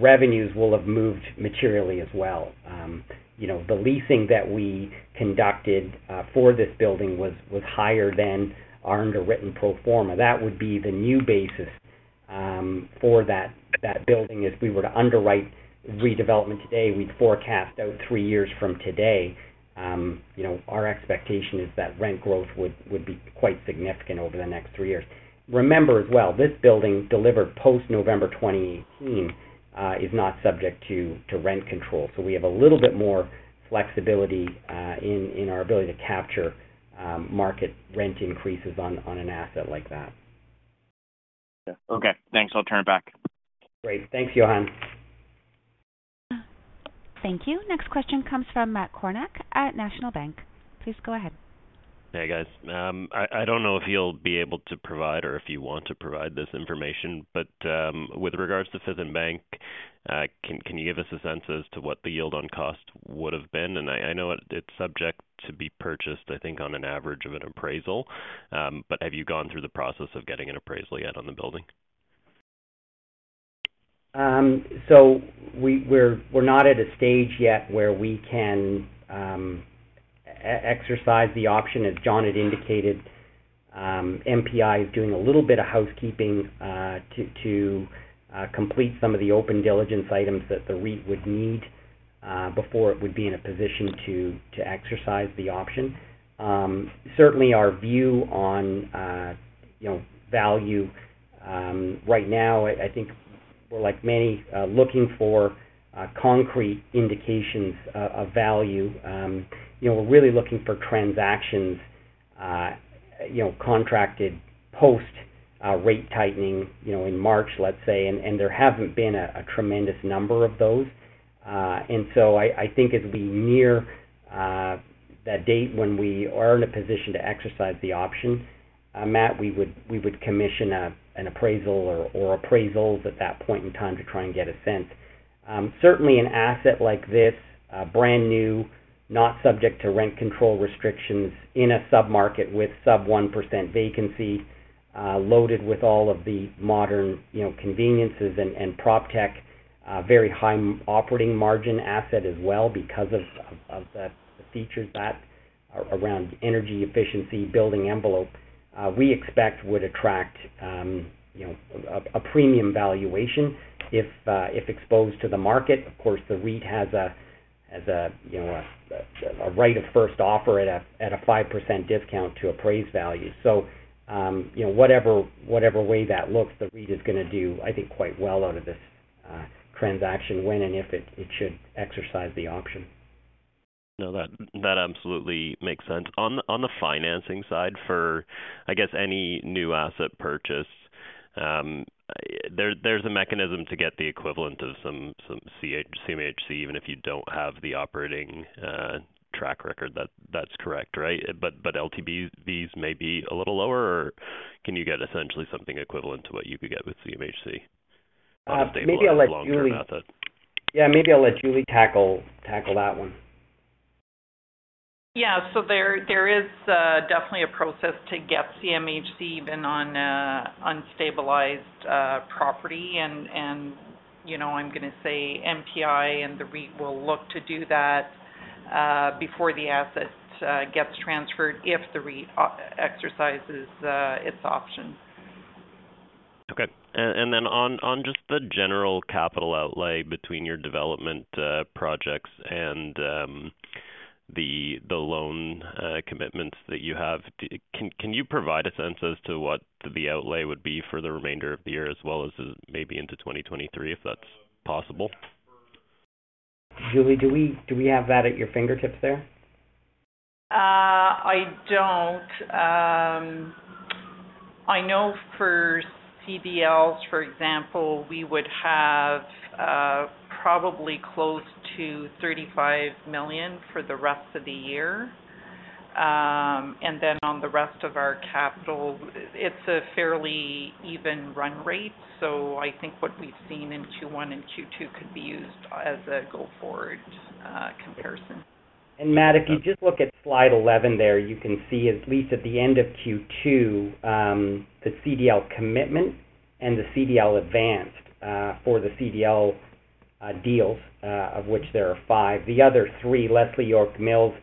Revenues will have moved materially as well. You know, the leasing that we conducted for this building was higher than our underwritten pro forma. That would be the new basis for that building. If we were to underwrite redevelopment today, we'd forecast out three years from today, you know, our expectation is that rent growth would be quite significant over the next three years. Remember as well, this building delivered post-November 2018 is not subject to rent control. We have a little bit more flexibility in our ability to capture market rent increases on an asset like that. Okay, thanks. I'll turn it back. Great. Thanks, Johann. Thank you. Next question comes from Matt Kornack at National Bank. Please go ahead. Hey, guys. I don't know if you'll be able to provide or if you want to provide this information, but with regards to Fifth and Bank, can you give us a sense as to what the yield on cost would have been? I know it's subject to be purchased, I think, on an average of an appraisal. Have you gone through the process of getting an appraisal yet on the building? We're not at a stage yet where we can exercise the option. As Jonathan Li had indicated, MPI is doing a little bit of housekeeping to complete some of the open diligence items that the REIT would need before it would be in a position to exercise the option. Certainly our view on, you know, value right now, I think we're like many looking for concrete indications of value. You know, we're really looking for transactions, you know, contracted post rate tightening, you know, in March, let's say. There haven't been a tremendous number of those. I think as we near that date when we are in a position to exercise the option, Matt, we would commission an appraisal or appraisals at that point in time to try and get a sense. Certainly an asset like this, brand new, not subject to rent control restrictions in a sub-market with sub-1% vacancy, loaded with all of the modern, you know, conveniences and PropTech, very high operating margin asset as well because of the features that are around energy efficiency building envelope, we expect would attract, you know, a premium valuation if exposed to the market. Of course, the REIT has a right of first offer at a 5% discount to appraised value. You know, whatever way that looks, the REIT is going to do, I think, quite well out of this transaction when and if it should exercise the option. No, that absolutely makes sense. On the financing side for, I guess, any new asset purchase, there's a mechanism to get the equivalent of some CMHC even if you don't have the operating track record that's correct, right? LTVs may be a little lower, or can you get essentially something equivalent to what you could get with CMHC on a stabilized longer-term asset? Maybe I'll let Julie. Yeah, maybe I'll let Julie tackle that one. Yeah. There is definitely a process to get CMHC even on unstabilized property. You know, I'm going to say MPI and the REIT will look to do that before the assets gets transferred if the REIT exercises its option. On just the general capital outlay between your development projects and the loan commitments that you have, can you provide a sense as to what the outlay would be for the remainder of the year as well as maybe into 2023, if that's possible? Julie, do we have that at your fingertips there? I don't. I know for CDLs, for example, we would have, probably close to 35 million for the rest of the year. On the rest of our capital, it's a fairly even run rate. I think what we've seen in Q1 and Q2 could be used as a go-forward comparison. Matt, if you just look at slide 11 there, you can see at least at the end of Q2, the CDL commitment and the CDL advanced, for the CDL deals, of which there are five. The other three, Leslie York Mills,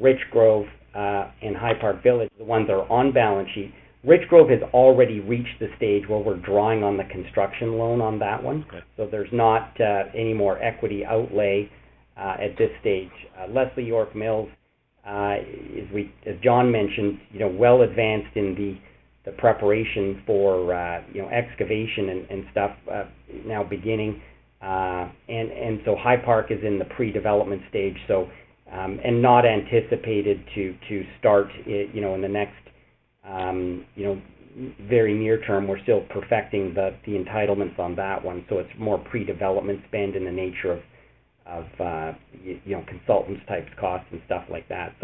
Richgrove, and High Park Village, the ones that are on balance sheet. Richgrove has already reached the stage where we're drawing on the construction loan on that one. Okay. There's not any more equity outlay at this stage. Leslie York Mills, as John mentioned, you know, well advanced in the preparation for, you know, excavation and stuff, now beginning. High Park is in the pre-development stage and not anticipated to start it, you know, in the next, you know, very near term. We're still perfecting the entitlements on that one. It's more pre-development spend in the nature of, you know, consultants type costs and stuff like that.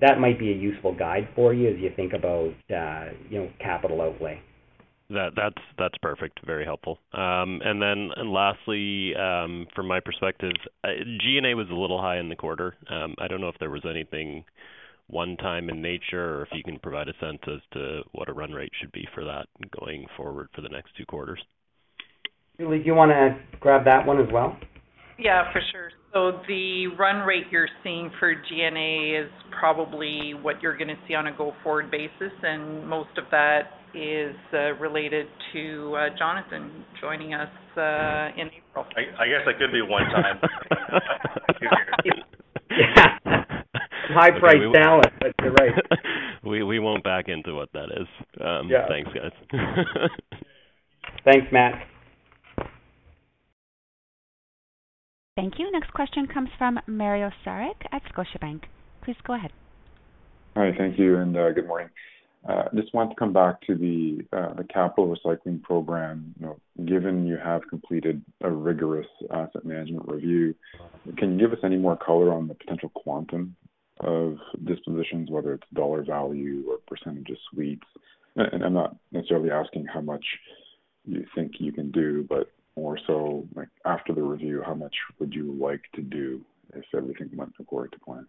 That might be a useful guide for you as you think about, you know, capital outlay. That's perfect. Very helpful. Lastly, from my perspective, G&A was a little high in the quarter. I don't know if there was anything one-time in nature or if you can provide a sense as to what a run rate should be for that going forward for the next two quarters. Julie, do you want to grab that one as well? Yeah, for sure. The run rate you're seeing for G&A is probably what you're going to see on a go-forward basis, and most of that is related to Jonathan joining us in April. I guess I could be one time. Yeah. High-priced talent, but you're right. We won't back into what that is. Thanks, guys. Thanks, Matt. Thank you. Next question comes from Mario Saric at Scotiabank. Please go ahead. All right. Thank you, and good morning. Just want to come back to the capital recycling program. You know, given you have completed a rigorous asset management review, can you give us any more color on the potential quantum of dispositions, whether it's dollar value or percentage of suites? I'm not necessarily asking how much you think you can do, but more so, like, after the review, how much would you like to do if everything went according to plan?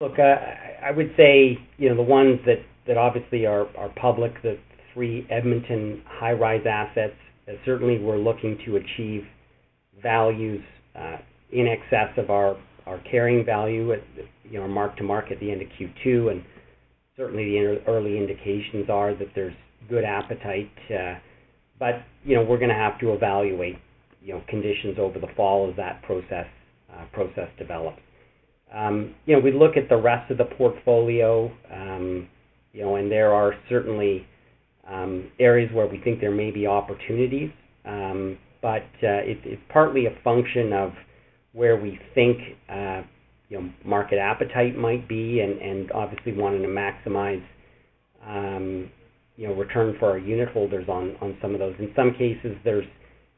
Look, I would say, you know, the ones that obviously are public, the three Edmonton high-rise assets, certainly we're looking to achieve values in excess of our carrying value at, you know, mark to market at the end of Q2. Certainly, the early indications are that there's good appetite. You know, we're going to have to evaluate, you know, conditions over the fall as that process develops. You know, we look at the rest of the portfolio, you know, and there are certainly areas where we think there may be opportunities. It's partly a function of where we think, you know, market appetite might be and obviously wanting to maximize, you know, return for our unitholders on some of those. In some cases, there's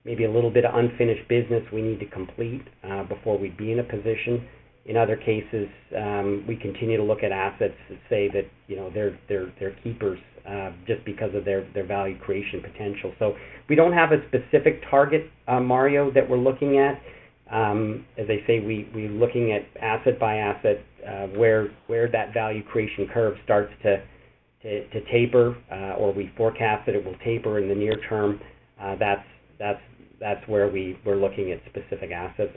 maybe a little bit of unfinished business we need to complete before we'd be in a position. In other cases, we continue to look at assets to say that, you know, they're keepers just because of their value creation potential. We don't have a specific target, Mario, that we're looking at. As I say, we're looking at asset by asset where that value creation curve starts to taper or we forecast that it will taper in the near term. That's where we're looking at specific assets.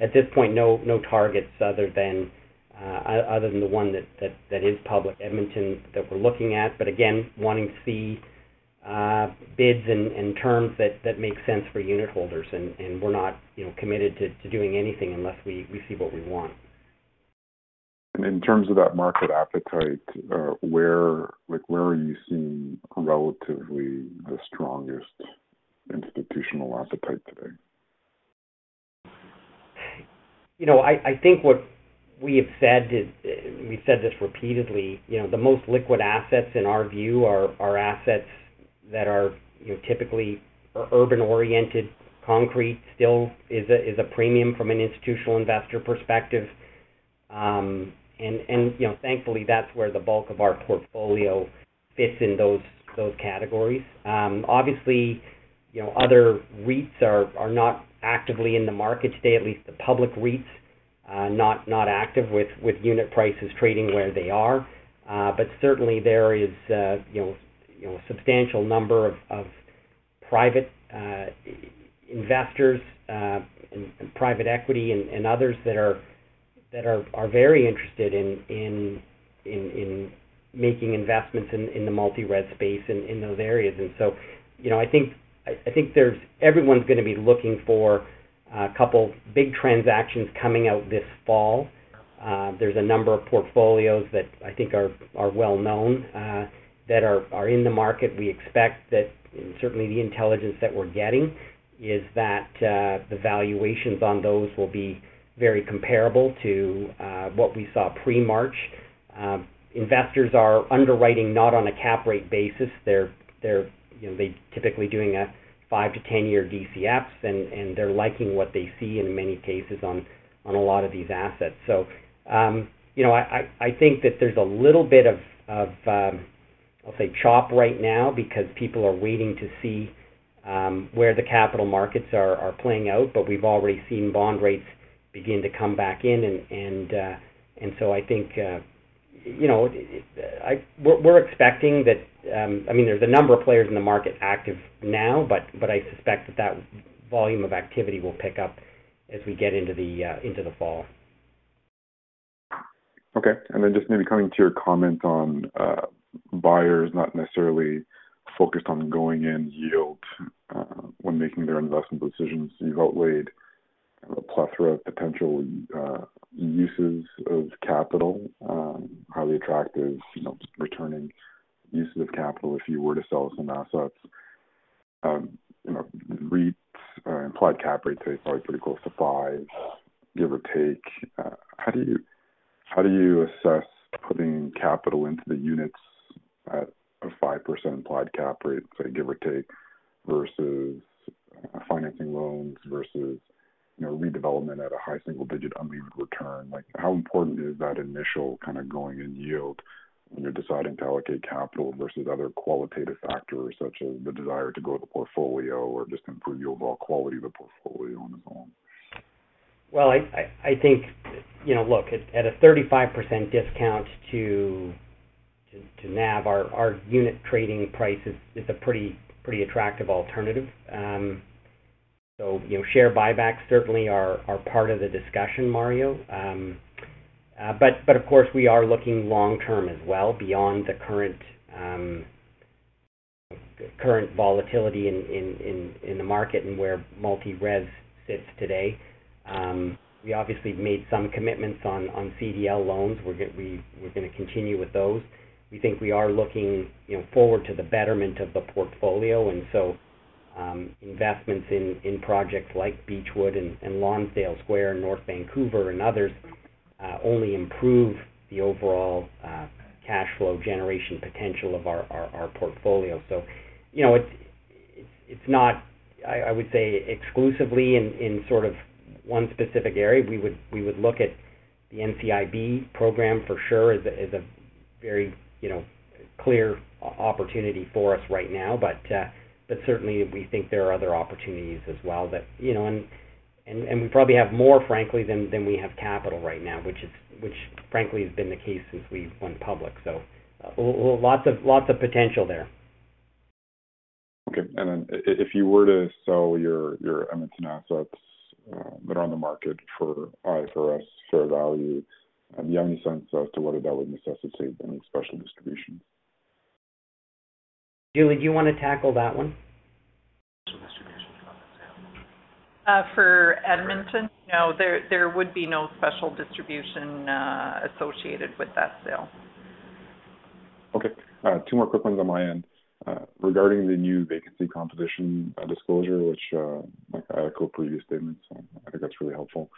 At this point, no targets other than the one that is public, Edmonton, that we're looking at. Again, wanting to see bids and terms that make sense for unitholders. We're not, you know, committed to doing anything unless we see what we want. In terms of that market appetite, like, where are you seeing relatively the strongest institutional appetite today? You know, I think what we have said is, we've said this repeatedly, you know, the most liquid assets in our view are assets that are, you know, typically urban-oriented. Core still is a premium from an institutional investor perspective. You know, thankfully, that's where the bulk of our portfolio fits in those categories. Obviously, you know, other REITs are not actively in the market today, at least the public REITs, not active with unit prices trading where they are. Certainly, there is you know a substantial number of private investors and private equity and others that are very interested in making investments in the multi-res space in those areas. You know, I think there's Everyone's gonna be looking for a couple big transactions coming out this fall. There's a number of portfolios that I think are well known that are in the market. We expect that certainly the intelligence that we're getting is that the valuations on those will be very comparable to what we saw pre-March. Investors are underwriting not on a cap rate basis. They're, you know, typically doing a five to 10-year DCF, and they're liking what they see in many cases on a lot of these assets. You know, I think that there's a little bit of, I'll say, chop right now because people are waiting to see where the capital markets are playing out, but we've already seen bond rates begin to come back in. I think, you know, we're expecting that. I mean, there's a number of players in the market active now, but I suspect that volume of activity will pick up as we get into the fall. Okay. Then just maybe coming to your comment on buyers not necessarily focused on going in yield when making their investment decisions. You've outlined a plethora of potential uses of capital, highly attractive, you know, returning uses of capital if you were to sell some assets. You know, REITs implied cap rate today is probably pretty close to 5%, give or take. How do you assess putting capital into the units at a 5% implied cap rate, say give or take, versus financing loans versus, you know, redevelopment at a high single-digit unlevered return? Like, how important is that initial kinda going in yield when you're deciding to allocate capital versus other qualitative factors, such as the desire to grow the portfolio or just improve the overall quality of the portfolio on its own? Well, I think, you know, look at a 35% discount to NAV, our unit trading price is a pretty attractive alternative. You know, share buybacks certainly are part of the discussion, Mario. But of course, we are looking long term as well beyond the current volatility in the market and where multi-res sits today. We obviously made some commitments on CDL loans. We're gonna continue with those. We think we are looking, you know, forward to the betterment of the portfolio. Investments in projects like Beechwood and Lonsdale Square, North Vancouver and others only improve the overall cash flow generation potential of our portfolio. You know, it's not, I would say, exclusively in sort of one specific area. We would look at the NCIB program for sure as a very, you know, clear opportunity for us right now. Certainly we think there are other opportunities as well that, you know. We probably have more, frankly, than we have capital right now, which frankly has been the case since we went public. Lots of potential there. Okay. If you were to sell your Edmonton assets that are on the market for IFRS fair value, have you any sense as to whether that would necessitate any special distributions? Julie, do you wanna tackle that one? For Edmonton? No. There would be no special distribution associated with that sale. Okay. Two more quick ones on my end. Regarding the new vacancy composition disclosure, which, like I echo previous statements, so I think that's really helpful.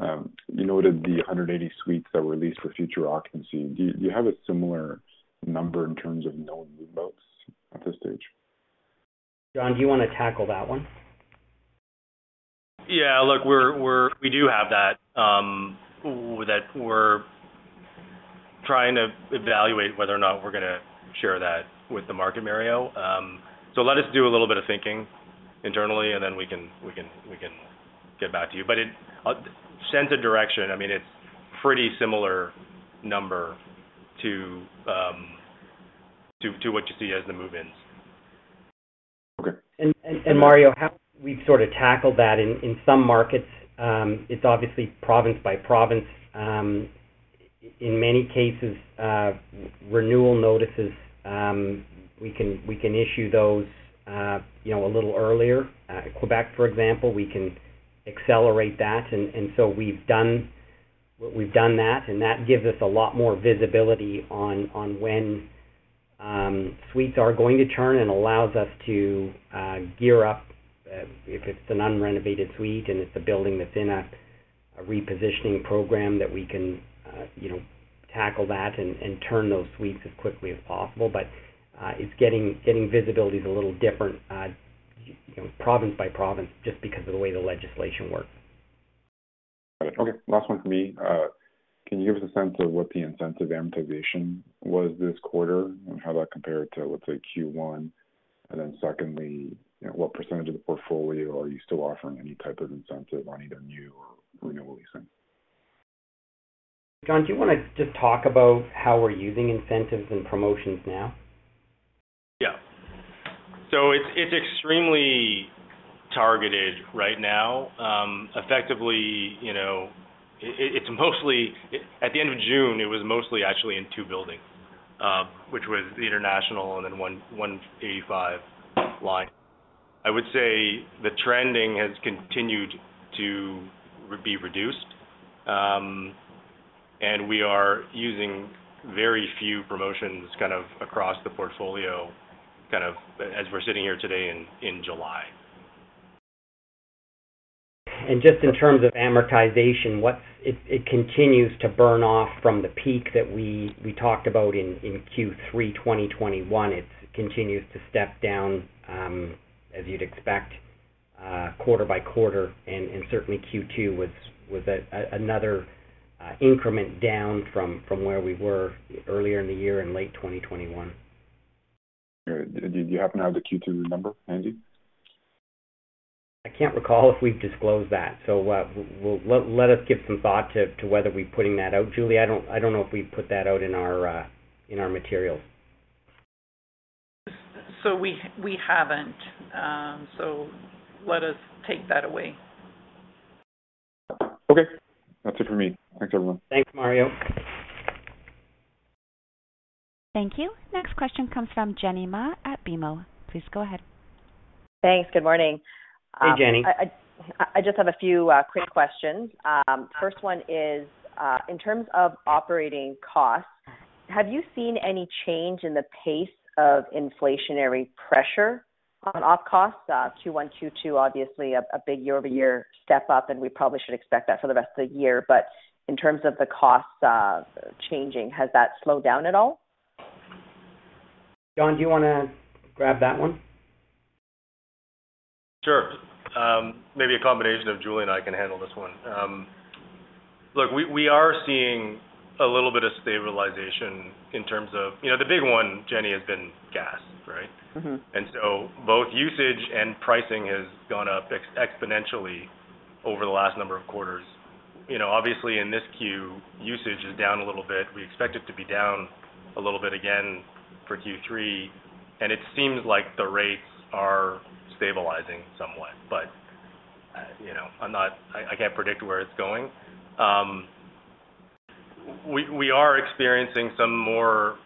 You noted the 180 suites that were leased for future occupancy. Do you have a similar number in terms of known move-outs at this stage? Jon, do you wanna tackle that one? Yeah. Look, we do have that that we're trying to evaluate whether or not we're gonna share that with the market, Mario. Let us do a little bit of thinking internally, and then we can get back to you. It sends a direction. I mean, it's pretty similar number to what you see as the move-ins. Mario, how we've sort of tackled that in some markets, it's obviously province by province. In many cases, renewal notices, we can issue those, you know, a little earlier. Quebec, for example, we can accelerate that. We've done that, and that gives us a lot more visibility on when suites are going to turn and allows us to gear up if it's an unrenovated suite and it's a building that's in a repositioning program that we can, you know, tackle that and turn those suites as quickly as possible. Getting visibility is a little different, you know, province by province just because of the way the legislation works. Okay, last one from me. Can you give us a sense of what the incentive amortization was this quarter and how that compared to, let's say, Q1? Secondly, you know, what percentage of the portfolio are you still offering any type of incentive on either new or renewal leasing? Jon, do you wanna just talk about how we're using incentives and promotions now? Yeah. It's extremely targeted right now. Effectively, you know, it's mostly in two buildings, which was the International and then 185 Lyon. I would say the trending has continued to be reduced, and we are using very few promotions kind of across the portfolio kind of as we're sitting here today in July. Just in terms of amortization, it continues to burn off from the peak that we talked about in Q3 2021. It continues to step down as you'd expect quarter-by-quarter. Certainly Q2 was another increment down from where we were earlier in the year in late 2021. Do you happen to have the Q2 number handy? I can't recall if we've disclosed that, so we'll let us give some thought to whether we're putting that out. Julie, I don't know if we put that out in our materials. We haven't. Let us take that away. Okay. That's it for me. Thanks, everyone. Thanks, Mario. Thank you. Next question comes from Jenny Ma at BMO. Please go ahead. Thanks. Good morning. Hey, Jenny. I just have a few quick questions. First one is, in terms of operating costs, have you seen any change in the pace of inflationary pressure on op costs? Q1, Q2 obviously a big year-over-year step up, and we probably should expect that for the rest of the year. In terms of the costs changing, has that slowed down at all? Jon, do you wanna grab that one? Sure. Maybe a combination of Julie and I can handle this one. Look, we are seeing a little bit of stabilization in terms of you know, the big one, Jenny, has been gas, right? Mm-hmm. Both usage and pricing has gone up exponentially over the last number of quarters. You know, obviously in this Q, usage is down a little bit. We expect it to be down a little bit again for Q3, and it seems like the rates are stabilizing somewhat. You know, I can't predict where it's going. We are experiencing some more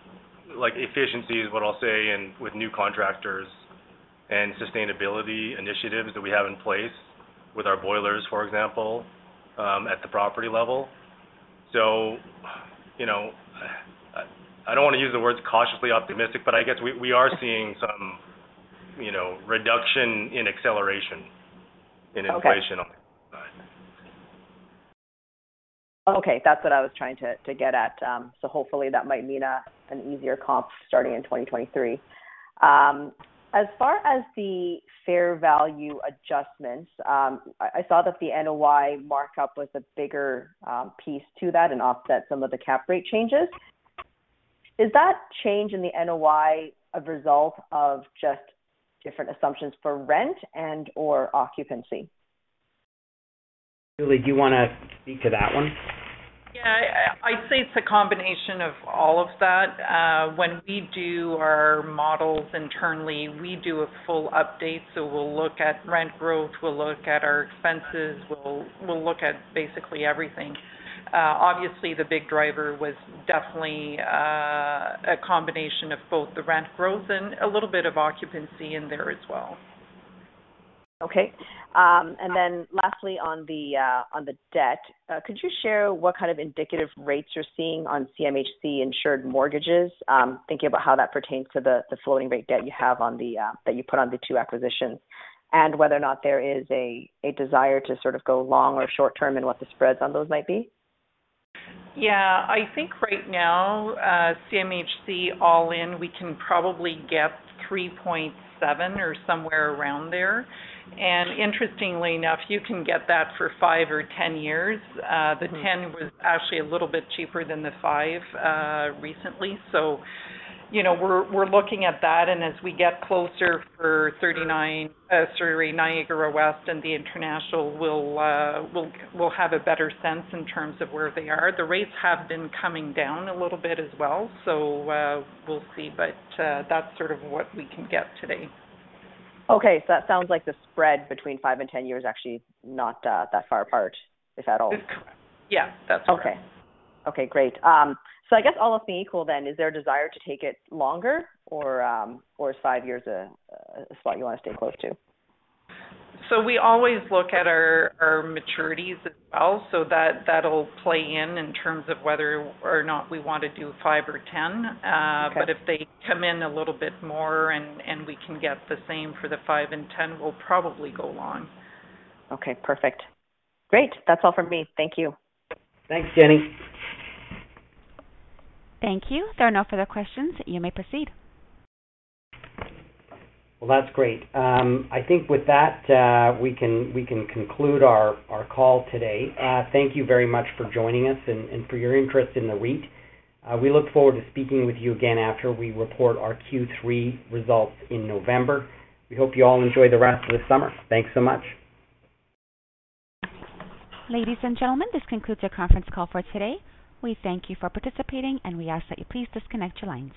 like efficiencies, what I'll say, with new contractors and sustainability initiatives that we have in place with our boilers, for example, at the property level. You know, I don't wanna use the word cautiously optimistic, but I guess we are seeing some, you know, reduction in acceleration. Okay. In inflation on that side. Okay. That's what I was trying to get at. Hopefully that might mean an easier comp starting in 2023. As far as the fair value adjustments, I saw that the NOI markup was a bigger piece of that and offset some of the cap rate changes. Is that change in the NOI a result of just different assumptions for rent and/or occupancy? Julie, do you wanna speak to that one? Yeah, I'd say it's a combination of all of that. When we do our models internally, we do a full update. We'll look at rent growth. We'll look at our expenses. We'll look at basically everything. Obviously, the big driver was definitely a combination of both the rent growth and a little bit of occupancy in there as well. Okay. Lastly, on the debt, could you share what kind of indicative rates you're seeing on CMHC insured mortgages? Thinking about how that pertains to the floating rate debt you have on that you put on the two acquisitions, and whether or not there is a desire to sort of go long or short term and what the spreads on those might be? Yeah. I think right now, CMHC all in, we can probably get 3.7% or somewhere around there. Interestingly enough, you can get that for five or 10 years. Mm-hmm. The 10 was actually a little bit cheaper than the five, recently. You know, we're looking at that, and as we get closer for 39, sorry, Niagara West and the International, we'll have a better sense in terms of where they are. The rates have been coming down a little bit as well. We'll see. That's sort of what we can get today. Okay. That sounds like the spread between five to 10 years actually is not that far apart, if at all. It's correct. Yeah, that's correct. Okay. Okay, great. I guess all else being equal then, is there a desire to take it longer or is five years a spot you wanna stay close to? We always look at our maturities as well, that'll play in terms of whether or not we want to do five or 10. Okay. If they come in a little bit more and we can get the same for the five and 10, we'll probably go long. Okay, perfect. Great. That's all from me. Thank you. Thanks, Jenny. Thank you. There are no further questions. You may proceed. Well, that's great. I think with that, we can conclude our call today. Thank you very much for joining us and for your interest in the REIT. We look forward to speaking with you again after we report our Q3 results in November. We hope you all enjoy the rest of the summer. Thanks so much. Ladies and gentlemen, this concludes your conference call for today. We thank you for participating and we ask that you please disconnect your lines.